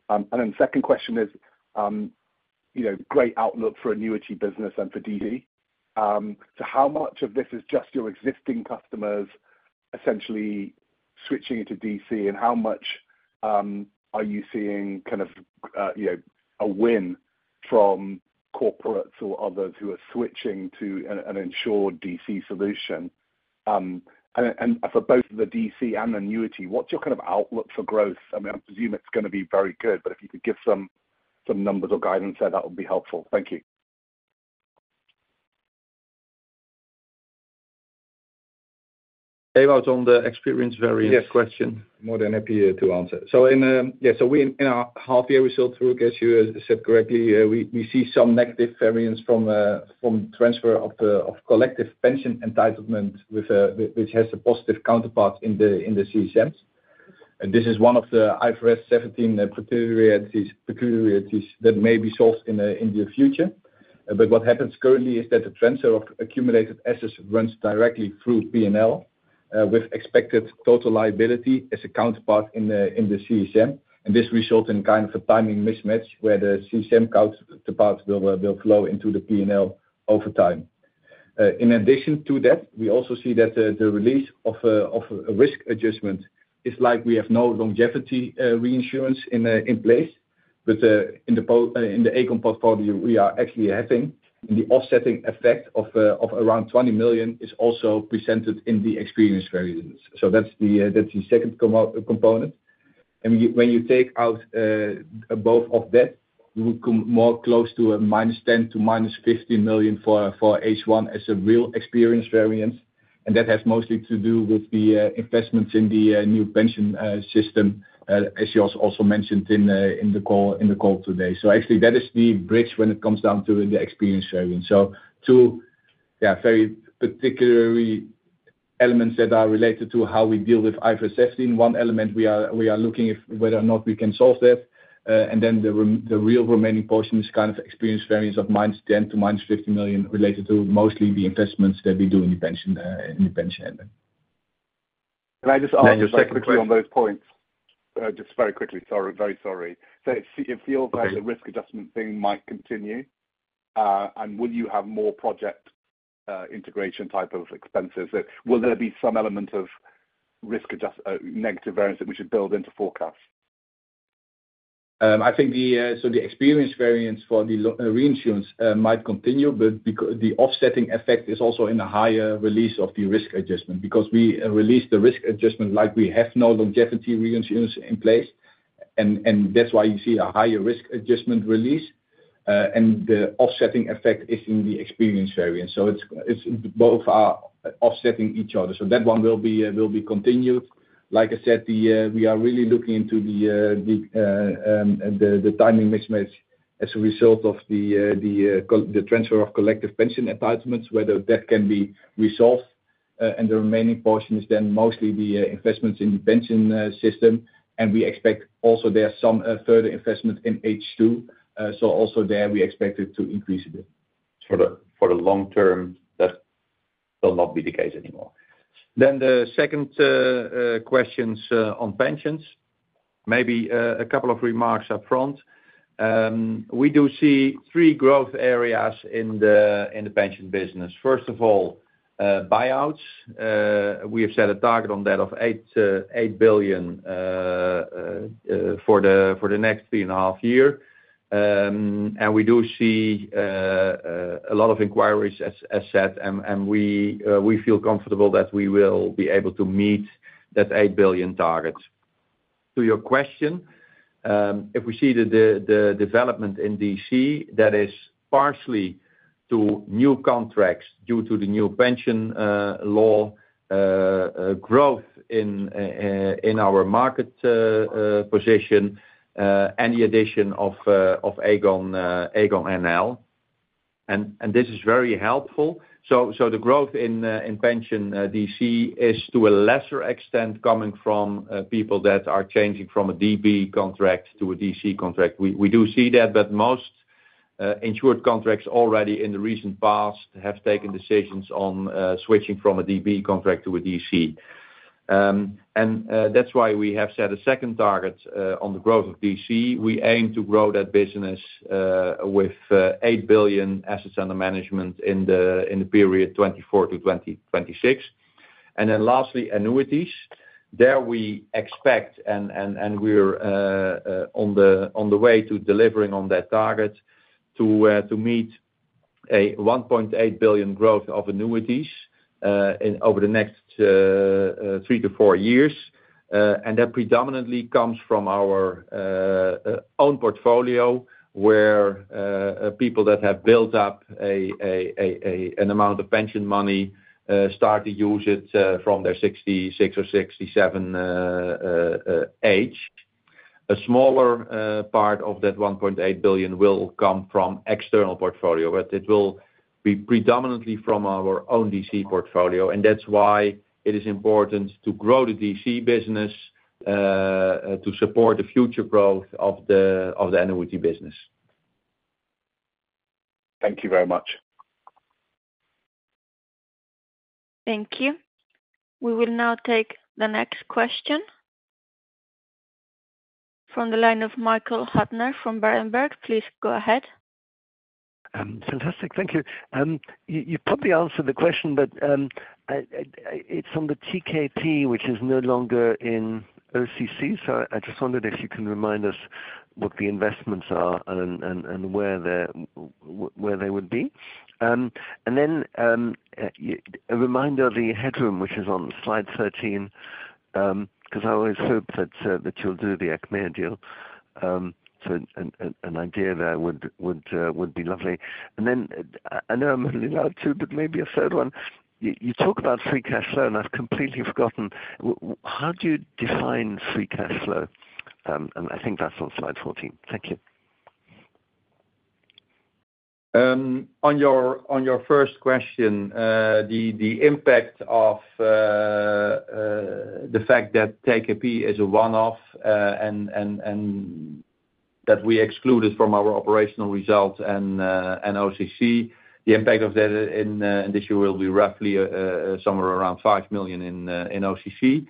And then second question is, you know, great outlook for annuity business and for DC. So how much of this is just your existing customers essentially switching to DC, and how much are you seeing kind of, you know, a win from corporates or others who are switching to an insured DC solution? And for both the DC and annuity, what's your kind of outlook for growth? I mean, I presume it's gonna be very good, but if you could give some numbers or guidance there, that would be helpful. Thank you. David, out on the experience variance question. More than happy to answer. So in our half year results, Farooq, as you said correctly, we see some negative variance from transfer of the collective pension entitlement with which has a positive counterpart in the CSMs. And this is one of the IFRS 17 peculiarities that may be solved in the future. But what happens currently is that the transfer of accumulated assets runs directly through P&L with expected total liability as a counterpart in the CSM, and this results in kind of a timing mismatch, where the CSM counterpart will flow into the P&L over time. In addition to that, we also see that the release of a risk adjustment is like we have no longevity reinsurance in place. But in the Aegon portfolio, we are actually having the offsetting effect of around 20 million is also presented in the experience variances. So that's the second component. And when you take out both of that, you come more close to a minus 10 million to minus 15 million for H1 as a real experience variance, and that has mostly to do with the investments in the new pension system as you also mentioned in the call today. So actually, that is the bridge when it comes down to the experience variance. Two very particular elements that are related to how we deal with IFRS 17. One element we are looking if whether or not we can solve that, and then the real remaining portion is kind of experience variance of -10 million to -50 million, related to mostly the investments that we do in pension, in pension. Can I just ask just quickly on those points? Just very quickly. Sorry. Very sorry. So it feels like- Okay. -The risk adjustment thing might continue. And will you have more project, integration type of expenses? Will there be some element of risk adjustment negative variance that we should build into forecast? I think the, so the experience variance for the longevity reinsurance might continue, but the offsetting effect is also in the higher release of the risk adjustment, because we released the risk adjustment like we have no longevity reinsurance in place. And that's why you see a higher risk adjustment release. And the offsetting effect is in the experience variance. So it's both are offsetting each other. So that one will be continued. Like I said, we are really looking into the timing mismatch as a result of the transfer of collective pension entitlements, whether that can be resolved. And the remaining portion is then mostly the investments in the pension system, and we expect also there's some further investment in H2. So also there, we expect it to increase a bit. For the long term, that will not be the case anymore. Then the second questions on pensions, maybe a couple of remarks up front. We do see three growth areas in the pension business. First of all, buyouts. We have set a target on that of 8 billion for the next three and a half year. And we do see a lot of inquiries, as said, and we feel comfortable that we will be able to meet that 8 billion target. To your question, if we see the development in DC, that is partially to new contracts due to the new pension law, growth in our market position, and the addition of Aegon, Aegon NL. And this is very helpful. So the growth in pension DC is to a lesser extent coming from people that are changing from a DB contract to a DC contract. We do see that, but most insured contracts already in the recent past have taken decisions on switching from a DB contract to a DC. And that's why we have set a second target on the growth of DC. We aim to grow that business with 8 billion assets under management in the period 2024 to 2026. And then lastly, annuities. There, we expect and we're on the way to delivering on that target, to meet a 1.8 billion growth of annuities over the next three to four years. And that predominantly comes from our own portfolio, where people that have built up an amount of pension money start to use it from their sixty-six or sixty-seven age. A smaller part of that 1.8 billion will come from external portfolio, but it will be predominantly from our own DC portfolio, and that's why it is important to grow the DC business to support the future growth of the annuity business. Thank you very much. Thank you. We will now take the next question. From the line of Michael Huttner from Berenberg, please go ahead. Fantastic. Thank you. You probably answered the question, but, I... It's on the TKP, which is no longer in OCC, so I just wondered if you can remind us what the investments are and where they are, where they would be? And then a reminder of the headroom, which is on slide 13, 'cause I always hope that you'll do the Achmea deal. So an idea there would be lovely. And then I know I'm only allowed two, but maybe a third one. You talk about free cash flow, and I've completely forgotten how do you define free cash flow? And I think that's on slide 14. Thank you. On your first question, the impact of the fact that TKP is a one-off, and that we excluded from our operational results and OCC, the impact of that in this year will be roughly somewhere around 5 million in OCC.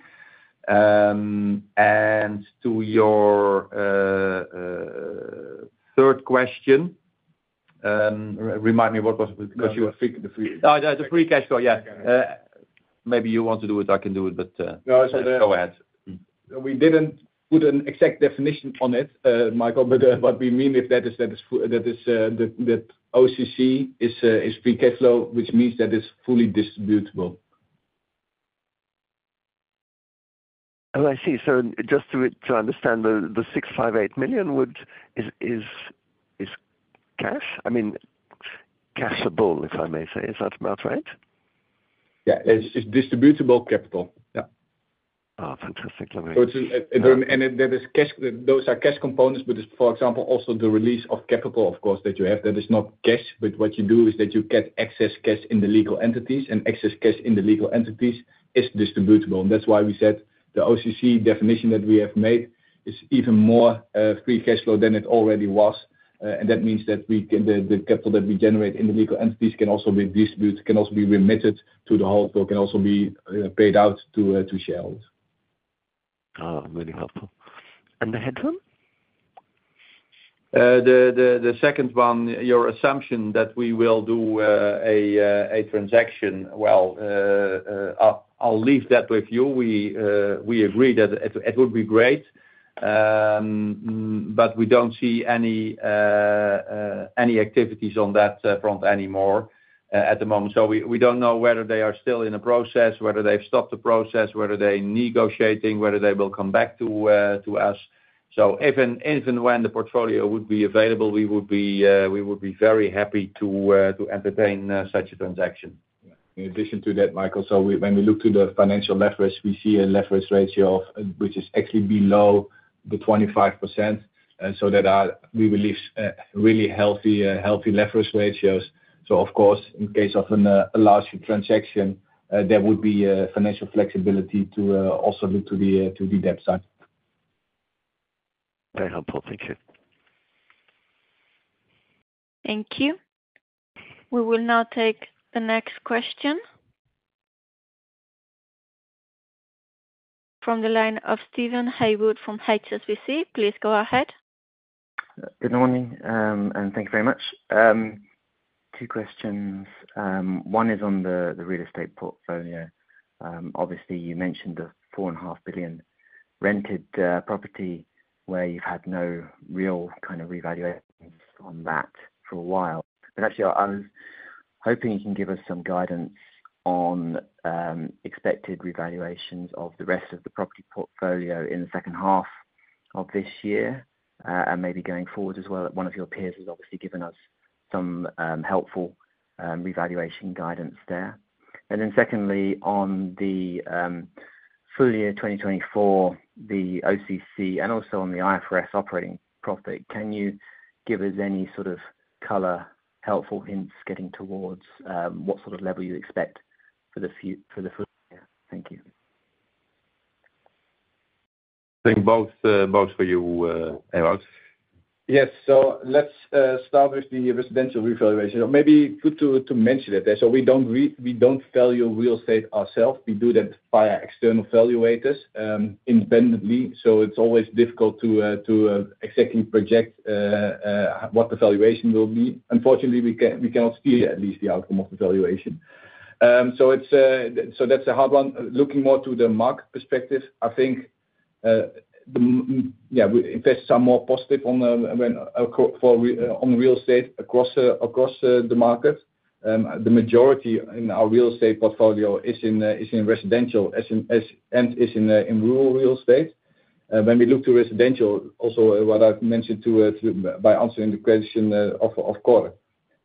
And to your third question, remind me what was because you were- The free Oh, the free cash flow. Yeah. Maybe you want to do it. I can do it, but, No. Go ahead. We didn't put an exact definition on it, Michael, but what we mean is that OCC is free cash flow, which means that it's fully distributable. Oh, I see. So just to understand, the 658 million would is cash? I mean, cashable, if I may say, is that about right? Yeah. It's distributable capital, yeah. Oh, fantastic. Alright. That is cash, those are cash components, but for example, also the release of capital, of course, that you have that is not cash, but what you do is that you get excess cash in the legal entities, and excess cash in the legal entities is distributable. And that's why we said the OCC definition that we have made is even more free cash flow than it already was. And that means that the capital that we generate in the legal entities can also be distributed, can also be remitted to the Holdco, or can also be paid out to shareholders. Oh, very helpful. And the headroom? The second one, your assumption that we will do a transaction. Well, I'll leave that with you. We agree that it would be great, but we don't see any activities on that front anymore, at the moment. So we don't know whether they are still in a process, whether they've stopped the process, whether they're negotiating, whether they will come back to us. So if and when the portfolio would be available, we would be very happy to entertain such a transaction. In addition to that, Michael, so we, when we look to the financial leverage, we see a leverage ratio which is actually below the 25%, and so that are, we believe, really healthy leverage ratios. So of course, in case of a large transaction, there would be financial flexibility to also look to the debt side. Very helpful. Thank you. Thank you. We will now take the next question. From the line of Steven Haywood from HSBC. Please go ahead. Good morning, and thank you very much. Two questions. One is on the real estate portfolio. Obviously, you mentioned the 4.5 billion rented property, where you've had no real kind of revaluations on that for a while. But actually, I was hoping you can give us some guidance on expected revaluations of the rest of the property portfolio in the second half of this year, and maybe going forward as well. One of your peers has obviously given us some helpful revaluation guidance there. And then secondly, on the full year twenty twenty-four, the OCC, and also on the IFRS operating profit, can you give us any sort of color, helpful hints, getting towards what sort of level you expect for the full year? Thank you. I think both for you, Ewout. Yes. So let's start with the residential revaluation, or maybe good to mention it. So we don't value real estate ourselves. We do that via external valuators, independently. So it's always difficult to exactly project what the valuation will be. Unfortunately, we cannot steer at least the outcome of the valuation. So it's so that's a hard one. Looking more to the market perspective, I think yeah, investors are more positive on real estate across the market. The majority in our real estate portfolio is in residential, as in and is in rural real estate. When we look to residential, also, what I've mentioned to by answering the question of core,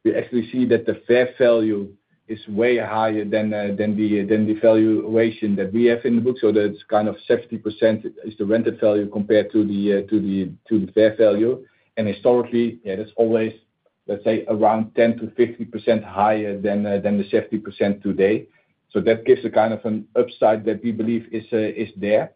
we actually see that the fair value is way higher than the valuation that we have in the book, so that's kind of 70% is the book value compared to the fair value. And historically, yeah, that's always, let's say, around 10%-50% higher than the 70% today. So that gives a kind of an upside that we believe is there.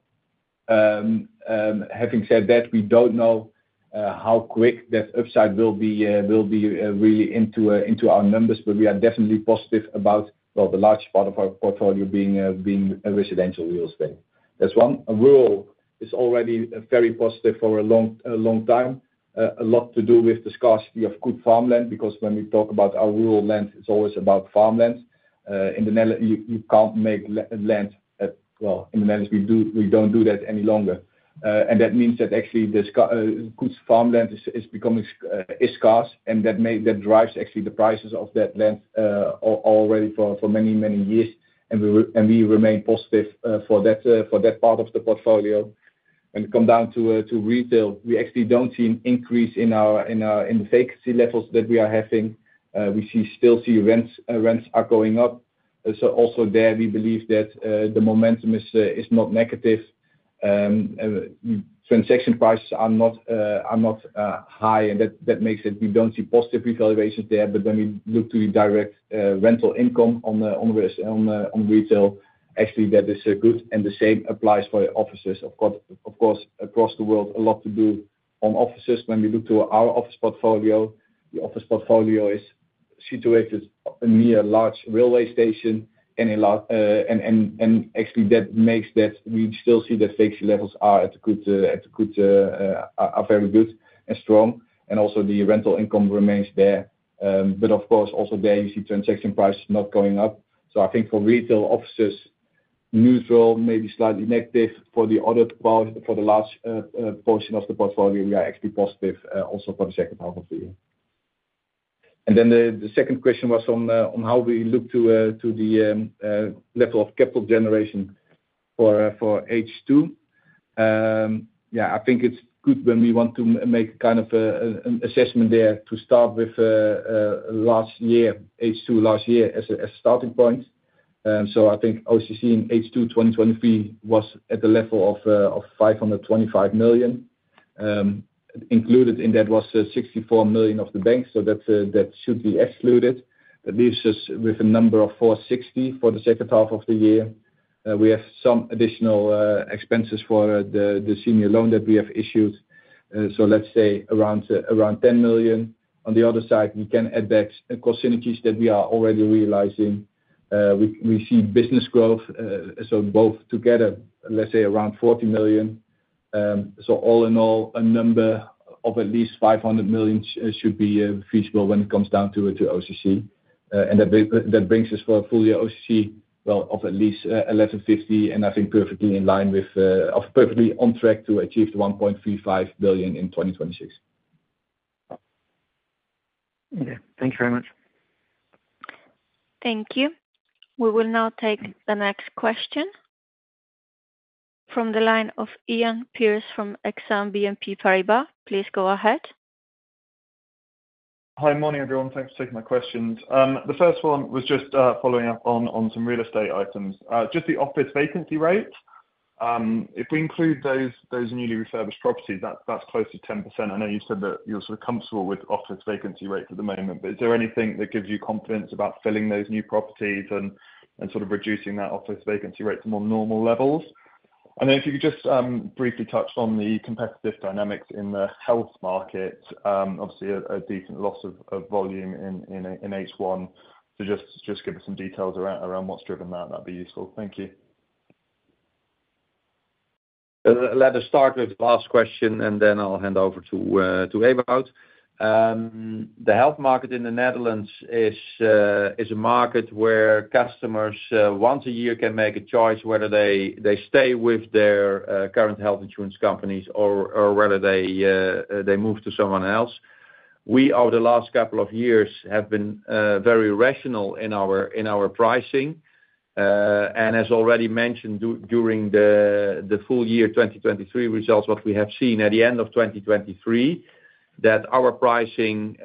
Having said that, we don't know how quick that upside will be realized in our numbers, but we are definitely positive about, well, the large part of our portfolio being a residential real estate. That's one. Rural is already very positive for a long time. A lot to do with the scarcity of good farmland, because when we talk about our rural land, it's always about farmland. In the Netherlands, well, we don't do that any longer. And that means that actually good farmland is scarce, and that drives actually the prices of that land already for many years. And we remain positive for that part of the portfolio. When it come down to retail, we actually don't see an increase in our vacancy levels that we are having. We still see rents are going up. So also there, we believe that the momentum is not negative. And transaction prices are not high, and that makes it we don't see positive revaluations there. But when we look to the direct rental income on retail, actually that is good, and the same applies for the offices. Of course, across the world, a lot to do on offices. When we look to our office portfolio, the office portfolio is situated near large railway station and a lot. And actually that makes that we still see the vacancy levels are at a good, are very good and strong, and also the rental income remains there. But of course, also there you see transaction prices not going up. I think for retail offices, neutral, maybe slightly negative. For the other part, for the large portion of the portfolio, we are actually positive, also for the second half of the year. The second question was on how we look to the level of capital generation for H2. Yeah, I think it's good when we want to make kind of an assessment there to start with last year, H2 last year, as a starting point. I think OCC in H2 2023 was at the level of 525 million. Included in that was 64 million of the bank, so that should be excluded. That leaves us with a number of 460 for the second half of the year. We have some additional expenses for the senior loan that we have issued, so let's say around 10 million. On the other side, we can add back cost synergies that we are already realizing. We see business growth, so both together, let's say around 40 million, so all in all, a number of at least 500 million should be feasible when it comes down to OCC, and that brings us for a full year OCC, well, of at least 1,150 million, and I think perfectly in line with or perfectly on track to achieve the 1.35 billion in 2026. Okay, thank you very much. Thank you. We will now take the next question from the line of Ian Pearce from Exane BNP Paribas. Please go ahead. Hi, morning, everyone. Thanks for taking my questions. The first one was just following up on some real estate items. Just the office vacancy rate, if we include those newly refurbished properties, that's close to 10%. I know you said that you're sort of comfortable with office vacancy rates at the moment, but is there anything that gives you confidence about filling those new properties and sort of reducing that office vacancy rate to more normal levels? And then if you could just briefly touch on the competitive dynamics in the health market. Obviously a decent loss of volume in H1. So just give us some details around what's driven that, that'd be useful. Thank you. Let us start with the last question, and then I'll hand over to Ewout. The health market in the Netherlands is a market where customers once a year can make a choice whether they stay with their current health insurance companies or whether they move to someone else. We, over the last couple of years, have been very rational in our pricing. And as already mentioned, during the full year 2023 results, what we have seen at the end of 2023, that our pricing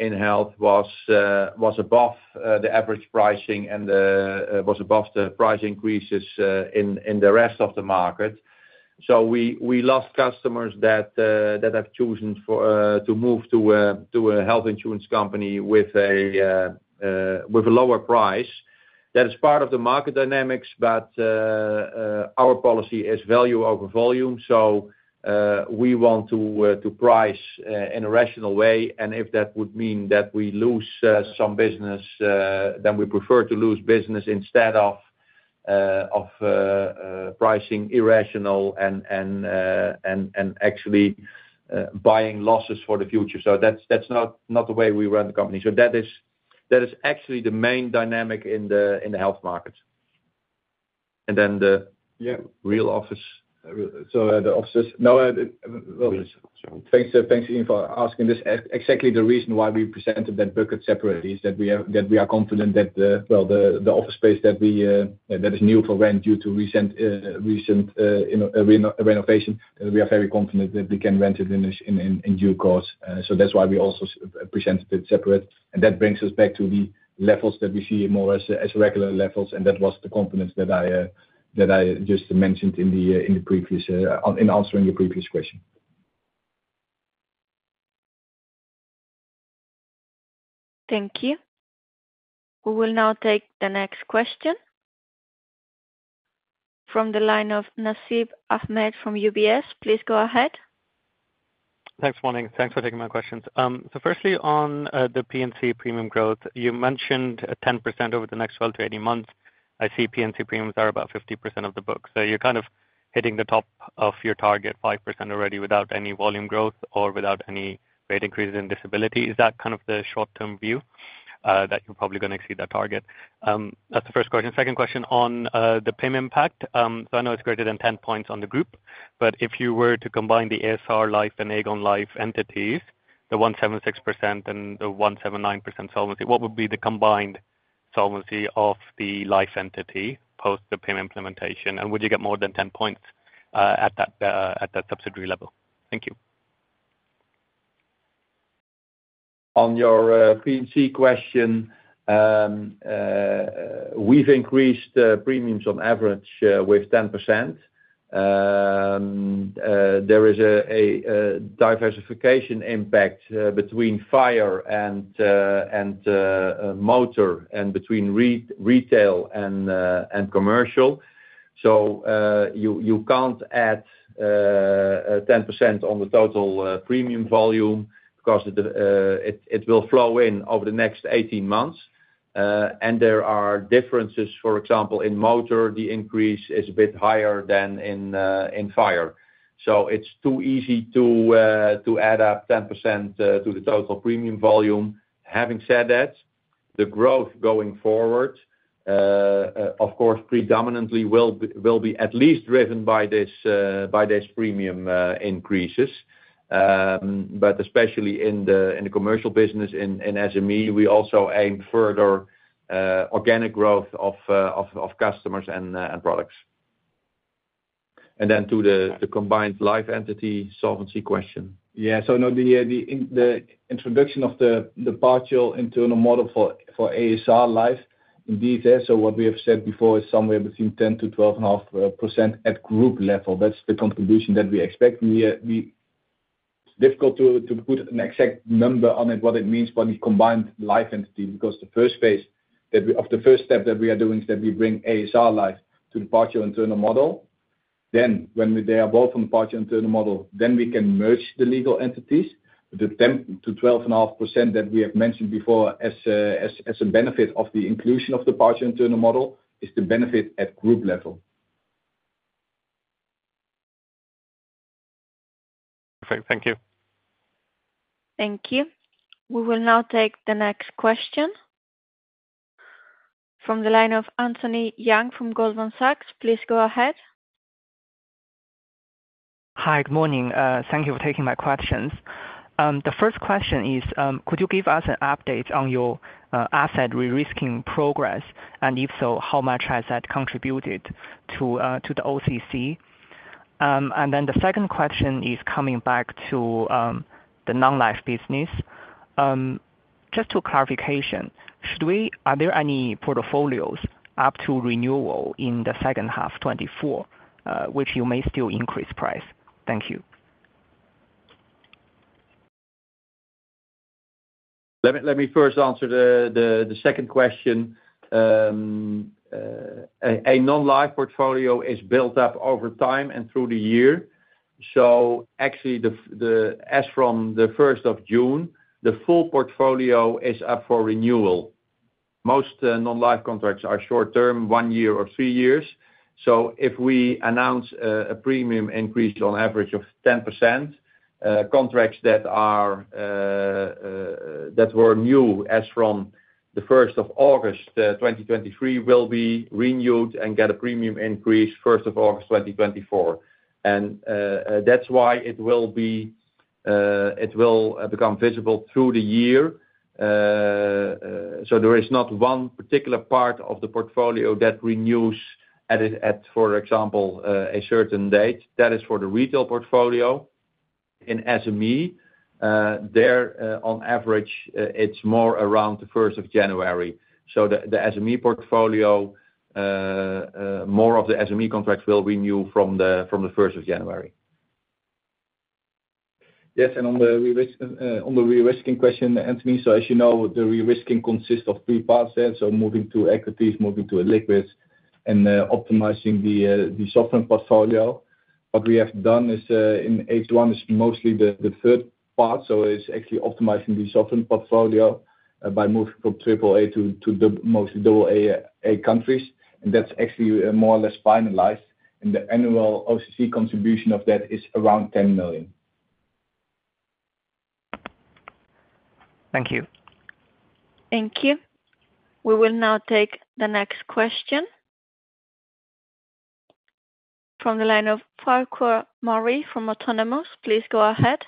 in health was above the average pricing and was above the price increases in the rest of the market. So we lost customers that have chosen to move to a health insurance company with a lower price. That is part of the market dynamics, but our policy is value over volume. We want to price in a rational way, and if that would mean that we lose some business, then we prefer to lose business instead of pricing irrational and actually buying losses for the future. That's not the way we run the company. That is actually the main dynamic in the health market. And then yeah real office. So the offices? No, well, thanks again for asking this. Exactly the reason why we presented that bucket separately is that we are confident that the office space that is new for rent due to recent renovation, we are very confident that we can rent it in due course. So that's why we also presented it separate, and that brings us back to the levels that we see more as regular levels, and that was the confidence that I just mentioned in answering your previous question. Thank you. We will now take the next question from the line of Nasib Ahmed from UBS. Please go ahead. Thanks, morning. Thanks for taking my questions. So firstly on the P&C premium growth, you mentioned 10% over the next 12-18 months. I see P&C premiums are about 50% of the book, so you're kind of hitting the top of your target, 5% already without any volume growth or without any rate increases in disability. Is that kind of the short-term view that you're probably gonna exceed that target? That's the first question. Second question on the PIM impact. So I know it's greater than ten points on the group, but if you were to combine the ASR Life and Aegon Life entities, the 176% and the 179% solvency, what would be the combined solvency of the life entity post the PIM implementation? And would you get more than ten points at that subsidiary level? Thank you. On your P&C question, we've increased premiums on average with 10%. There is a diversification impact between fire and motor, and between retail and commercial. So you can't add 10% on the total premium volume because it will flow in over the next 18 months. And there are differences. For example, in motor, the increase is a bit higher than in fire. So it's too easy to add up 10% to the total premium volume. Having said that, the growth going forward of course predominantly will be at least driven by this premium increases. But especially in the commercial business, in SME, we also aim further organic growth of customers and products. And then to the combined life entity solvency question. Yeah. So now the introduction of the partial internal model for ASR Life indeed there. So what we have said before is somewhere between 10%-12.5% at group level. That's the contribution that we expect. And we, It's difficult to put an exact number on it, what it means by the combined life entity, because the first step that we are doing is that we bring ASR Life to the partial internal model. Then when they are both on the partial internal model, then we can merge the legal entities. The 10%-12.5% that we have mentioned before as a benefit of the inclusion of the partial internal model is the benefit at group level. Okay. Thank you. Thank you. We will now take the next question. From the line of Anthony Yang from Goldman Sachs, please go ahead. Hi, good morning. Thank you for taking my questions. The first question is, could you give us an update on your asset risk in progress, and if so, how much has that contributed to the OCC? And then the second question is coming back to the non-life business. Just to clarification, are there any portfolios up to renewal in the second half 2024, which you may still increase price? Thank you. Let me first answer the second question. A non-life portfolio is built up over time and through the year. So actually, as from the first of June, the full portfolio is up for renewal. Most non-life contracts are short term, one year or three years. So if we announce a premium increase on average of 10%, contracts that were new as from the first of August 2023 will be renewed and get a premium increase first of August 2024. And that's why it will become visible through the year. So there is not one particular part of the portfolio that renews at, for example, a certain date. That is for the retail portfolio. In SME, there, on average, it's more around the first of January. So the SME portfolio, more of the SME contracts will renew from the first of January. Yes, and on the re-risking, on the re-risking question, Anthony, so as you know, the re-risking consists of three parts. So moving to equities, moving to illiquids, and optimizing the sovereign portfolio. What we have done is, in H1, mostly the third part, so it's actually optimizing the sovereign portfolio by moving from triple A to the mostly double A, A countries. And that's actually more or less finalized, and the annual OCC contribution of that is around 10 million. Thank you. Thank you. We will now take the next question. From the line of Farquhar Murray from Autonomous. Please go ahead.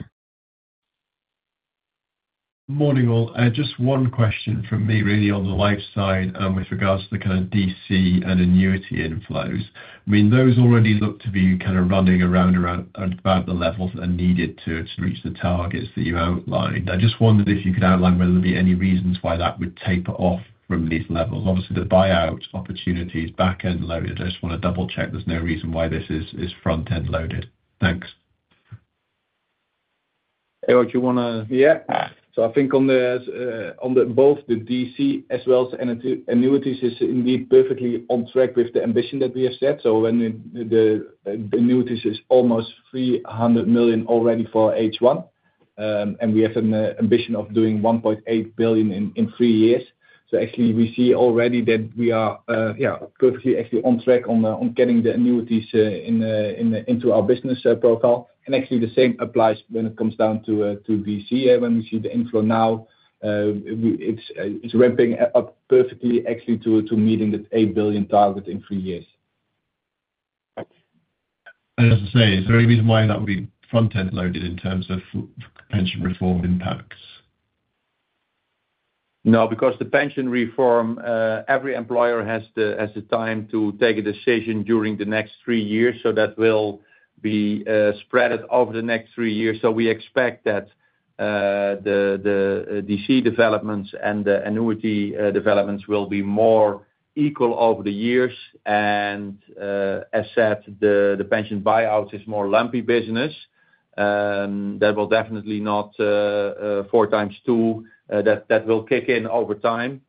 Morning, all. Just one question from me, really, on the life side, with regards to the kind of DC and annuity inflows. I mean, those already look to be kind of running around about the levels that are needed to reach the targets that you outlined. I just wondered if you could outline whether there'd be any reasons why that would taper off from these levels. Obviously, the buyout opportunity is back-end loaded. I just wanna double-check there's no reason why this is front-end loaded. Thanks. Ewout, you wanna- Yeah. So I think on both the DC as well as annuities is indeed perfectly on track with the ambition that we have set. So, the annuities is almost 300 million already for H1. And we have an ambition of doing 1.8 billion in three years. So actually we see already that we are closely actually on track on getting the annuities into our business profile. And actually the same applies when it comes down to DC. When we see the inflow now, it's ramping up perfectly actually to meeting that 8 billion target in three years. As I say, is there any reason why that would be front-end loaded in terms of pension reform impacts? No, because the pension reform, every employer has the time to take a decision during the next three years, so that will be spread over the next three years. So we expect that the DC developments and the annuity developments will be more equal over the years. And, as said, the pension buyouts is more lumpy business, that will definitely not four times two, that will kick in over time.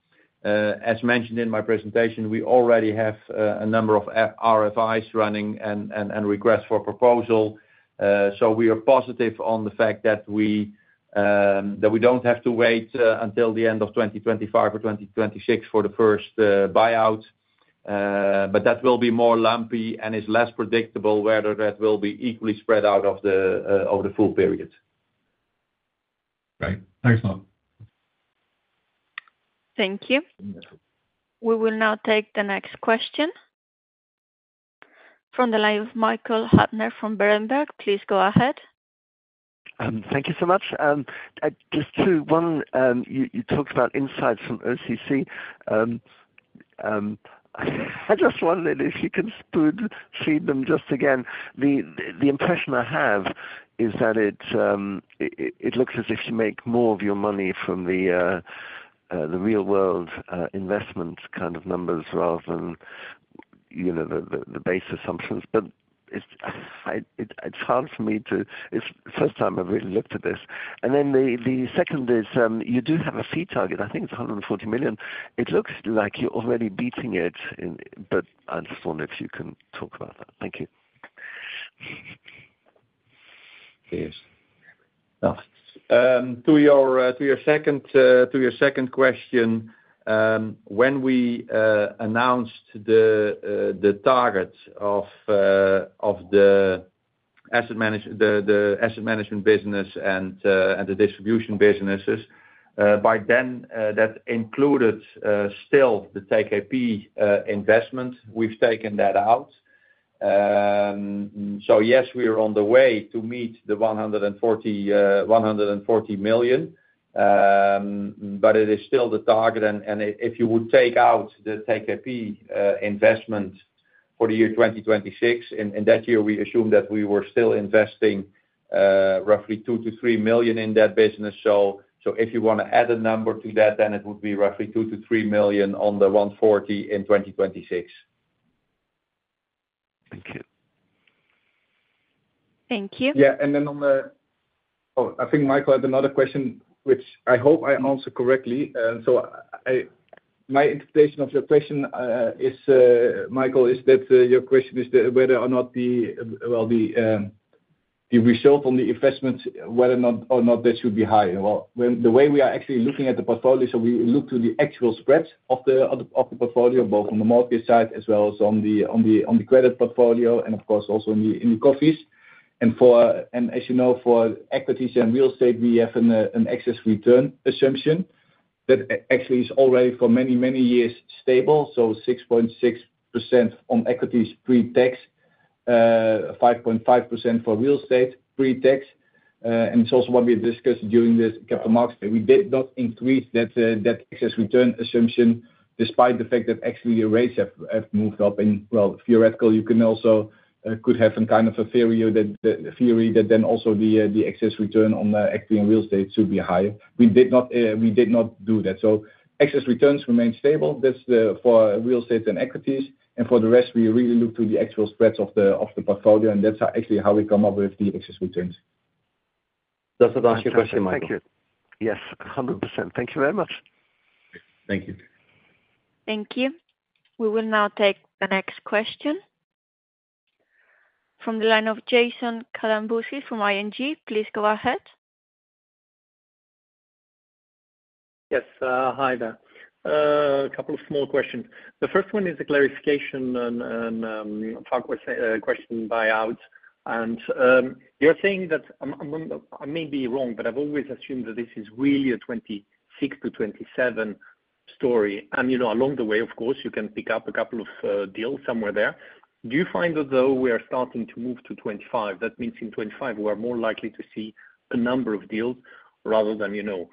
As mentioned in my presentation, we already have a number of RFIs running and requests for proposal. So we are positive on the fact that we don't have to wait until the end of twenty twenty-five or twenty twenty-six for the first buyout. But that will be more lumpy and is less predictable whether that will be equally spread out over the full period. Great. Thanks, Ewout. Thank you. We will now take the next question. From the line of Michael Huttner from Berenberg, please go ahead. Thank you so much. Just two. One, you talked about insights from OCC. I just wondered if you can read them just again. The impression I have is that it looks as if you make more of your money from the real world investment kind of numbers rather than, you know, the base assumptions. But it's hard for me to. It's the first time I've really looked at this. And then the second is, you do have a fee target, I think it's 140 million. It looks like you're already beating it, but I just wonder if you can talk about that. Thank you. Yes. To your second question, when we announced the target of the asset management business and the distribution businesses, by then, that included still the TKP investment. We've taken that out, so yes, we are on the way to meet the 140 million, but it is still the target, and if you would take out the TKP investment for the year 2026, in that year, we assumed that we were still investing roughly two to three million in that business, so if you wanna add a number to that, then it would be roughly two to three million on the 140 in 2026. Thank you. Thank you. Yeah, and then on the... Oh, I think Michael had another question, which I hope I answer correctly. So my interpretation of your question, Michael, is that your question is whether or not the result on the investment should be high. Well, the way we are actually looking at the portfolio, so we look to the actual spreads of the portfolio, both on the mortgage side as well as on the credit portfolio, and of course, also in the corporates. And as you know, for equities and real estate, we have an excess return assumption that actually is already for many, many years stable, so 6.6% on equities pre-tax, 5.5% for real estate pre-tax. It's also what we discussed during this Capital Markets Day. We did not increase that excess return assumption despite the fact that actually the rates have moved up. Well, theoretically, you could also have some kind of a theory that then also the excess return on the equity and real estate should be higher. We did not do that. So excess returns remain stable. That's for real estate and equities. For the rest, we really look to the actual spreads of the portfolio, and that's actually how we come up with the excess returns. Does that answer your question, Michael? Thank you. Yes, 100%. Thank you very much. Thank you. Thank you. We will now take the next question. From the line of Jason Kalamboussis from ING, please go ahead. Yes, hi there. A couple of small questions. The first one is a clarification on pension buyout. You're saying that. I may be wrong, but I've always assumed that this is really a 2026-2027 story. You know, along the way, of course, you can pick up a couple of deals somewhere there. Do you find that though we are starting to move to 2025, that means in 2025 we are more likely to see a number of deals rather than, you know,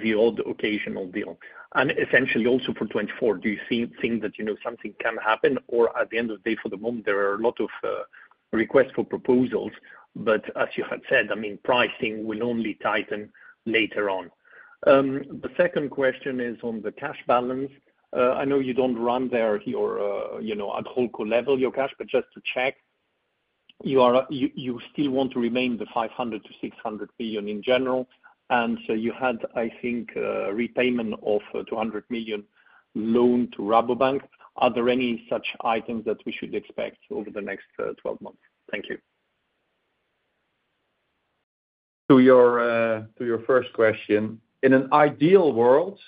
the odd occasional deal? And essentially also for 2024, do you think that, you know, something can happen, or at the end of the day, for the moment, there are a lot of requests for proposals, but as you had said, I mean, pricing will only tighten later on. The second question is on the cash balance. I know you don't run there your, you know, at holdco level, your cash, but just to check, you are, you still want to remain the 500-600 billion in general? And so you had, I think, repayment of 200 million loan to Rabobank. Are there any such items that we should expect over the next twelve months? Thank you. To your first question, in an ideal world,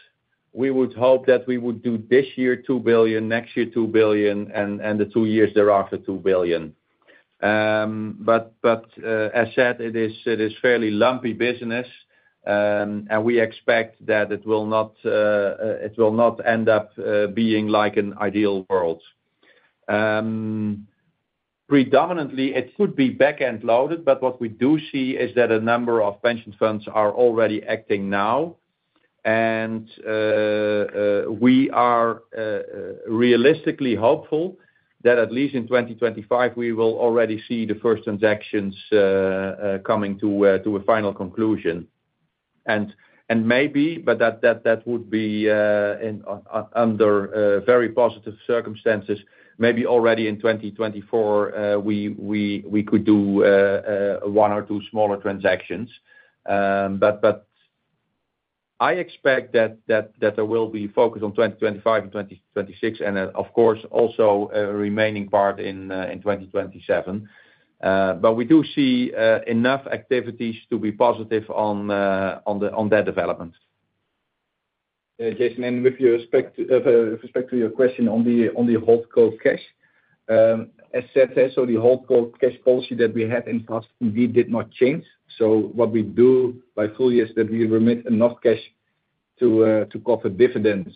we would hope that we would do this year 2 billion, next year 2 billion, and the two years thereafter, 2 billion. But as said, it is fairly lumpy business. And we expect that it will not end up being like an ideal world. Predominantly it should be back-end loaded, but what we do see is that a number of pension funds are already acting now. We are realistically hopeful that at least in 2025, we will already see the first transactions coming to a final conclusion. Maybe, but that would be under very positive circumstances, maybe already in 2024, we could do one or two smaller transactions. I expect that there will be focus on 2025 and 2026, and then, of course, also a remaining part in 2027. We do see enough activities to be positive on that development. Jason, with respect to your question on the Holdco cash, as said, the Holdco cash policy that we had in the past indeed did not change. So what we do for the full year is that we remit enough cash to cover dividends,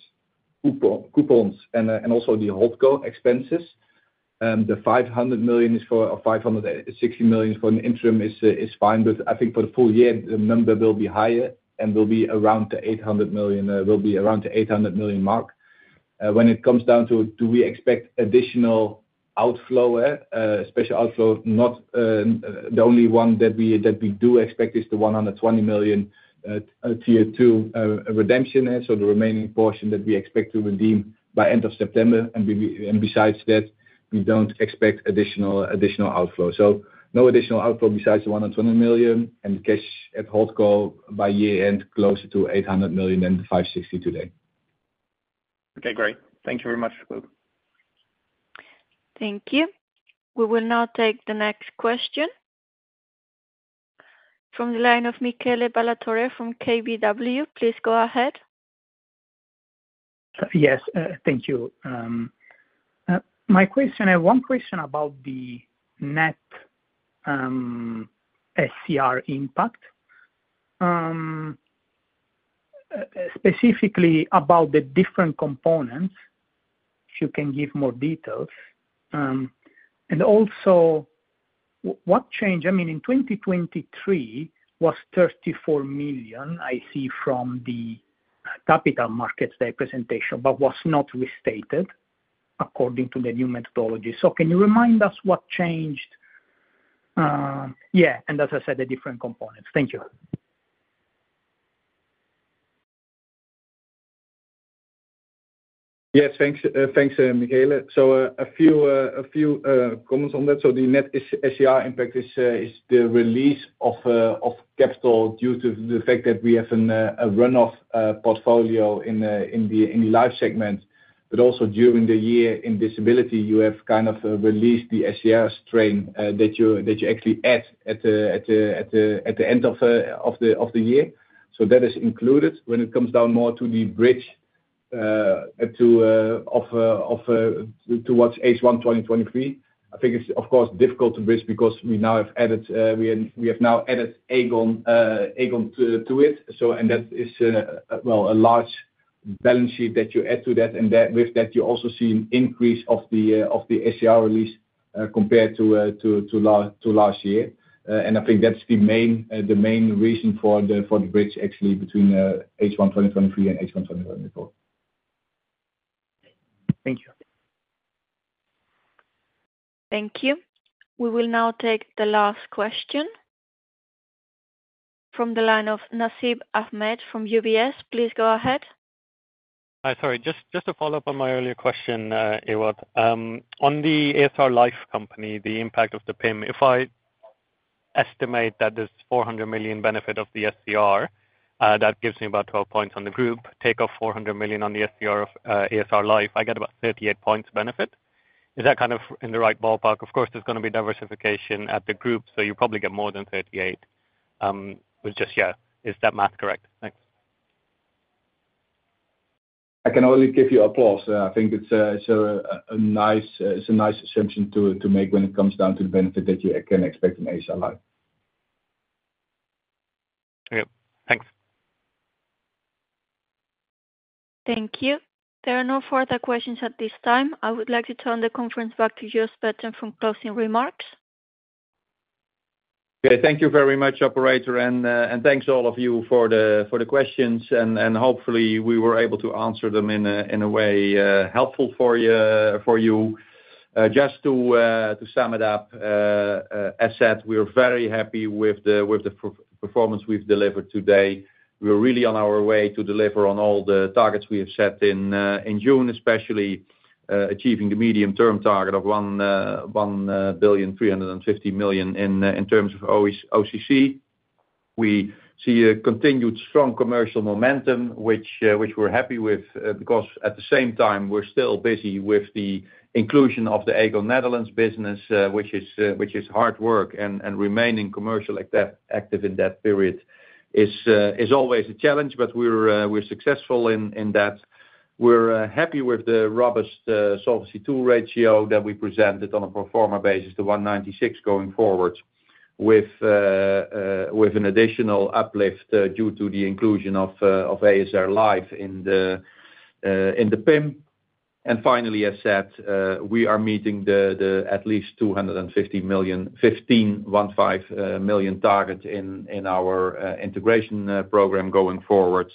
coupons, and also the Holdco expenses. The 500 million or 560 million is for an interim, is fine, but I think for the full year, the number will be higher and will be around the 800 million mark. When it comes down to, do we expect additional outflow, special outflow? No, the only one that we do expect is the 120 million tier two redemption. And so the remaining portion that we expect to redeem by end of September, and besides that, we don't expect additional outflow. So no additional outflow besides the 120 million, and cash at Holdco by year-end, closer to 800 million and 560 million today. Okay, great. Thank you very much. Thank you. We will now take the next question. From the line of Michele Ballatore from KBW. Please go ahead. Yes, thank you. My question, I have one question about the net SCR impact. Specifically about the different components, if you can give more details. And also, what changed. I mean, in 2023, was 34 million, I see from the capital markets, their presentation, but was not restated according to the new methodology. So can you remind us what changed? Yeah, and as I said, the different components. Thank you. Yes, thanks, Michele. So, a few comments on that. The net SC-SCR impact is the release of capital due to the fact that we have a runoff portfolio in the life segment. But also, during the year in disability, you have kind of released the SCR strain that you actually add at the end of the year. So that is included. When it comes down more to the bridge to H1 2023, I think it's, of course, difficult to bridge because we now have added Aegon to it. And that is, well, a large balance sheet that you add to that. And that, with that, you also see an increase of the SCR release compared to last year. And I think that's the main reason for the bridge actually between H1 2023 and H1 2024. Thank you. Thank you. We will now take the last question. From the line of Nasib Ahmed from UBS. Please go ahead. Hi, sorry, just to follow up on my earlier question, Ewout. On the ASR Life company, the impact of the PIM, if I estimate that there's 400 million benefit of the SCR, that gives me about 12 points on the group. Take off 400 million on the SCR of ASR Life, I get about 38 points benefit. Is that kind of in the right ballpark? Of course, there's gonna be diversification at the group, so you probably get more than 38. But just, yeah, is that math correct? Thanks. I can only give you applause. I think it's a nice assumption to make when it comes down to the benefit that you, again, expect in ASR Life. Okay, thanks. Thank you. There are no further questions at this time. I would like to turn the conference back to Jos Baeten for closing remarks. Okay, thank you very much, operator. And thanks all of you for the questions, and hopefully we were able to answer them in a way helpful for you. Just to sum it up, as said, we are very happy with the performance we've delivered today. We're really on our way to deliver on all the targets we have set in June, especially achieving the medium-term target of one billion three hundred and fifty million in terms of OCC. We see a continued strong commercial momentum, which we're happy with, because at the same time, we're still busy with the inclusion of the Aegon Netherlands business, which is hard work, and remaining commercial, like that, active in that period is always a challenge, but we're successful in that. We're happy with the robust Solvency II ratio that we presented on a pro forma basis, the 196 going forward, with an additional uplift due to the inclusion of ASR Life in the PIM. And finally, as said, we are meeting the at least 250 million target in our integration program going forward.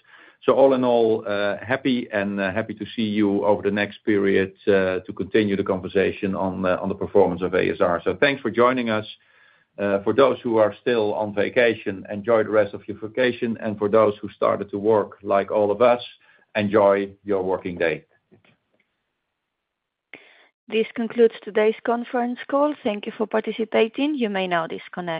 So all in all, happy to see you over the next period to continue the conversation on the performance of ASR. So thanks for joining us. For those who are still on vacation, enjoy the rest of your vacation, and for those who started to work like all of us, enjoy your working day. This concludes today's conference call. Thank you for participating. You may now disconnect.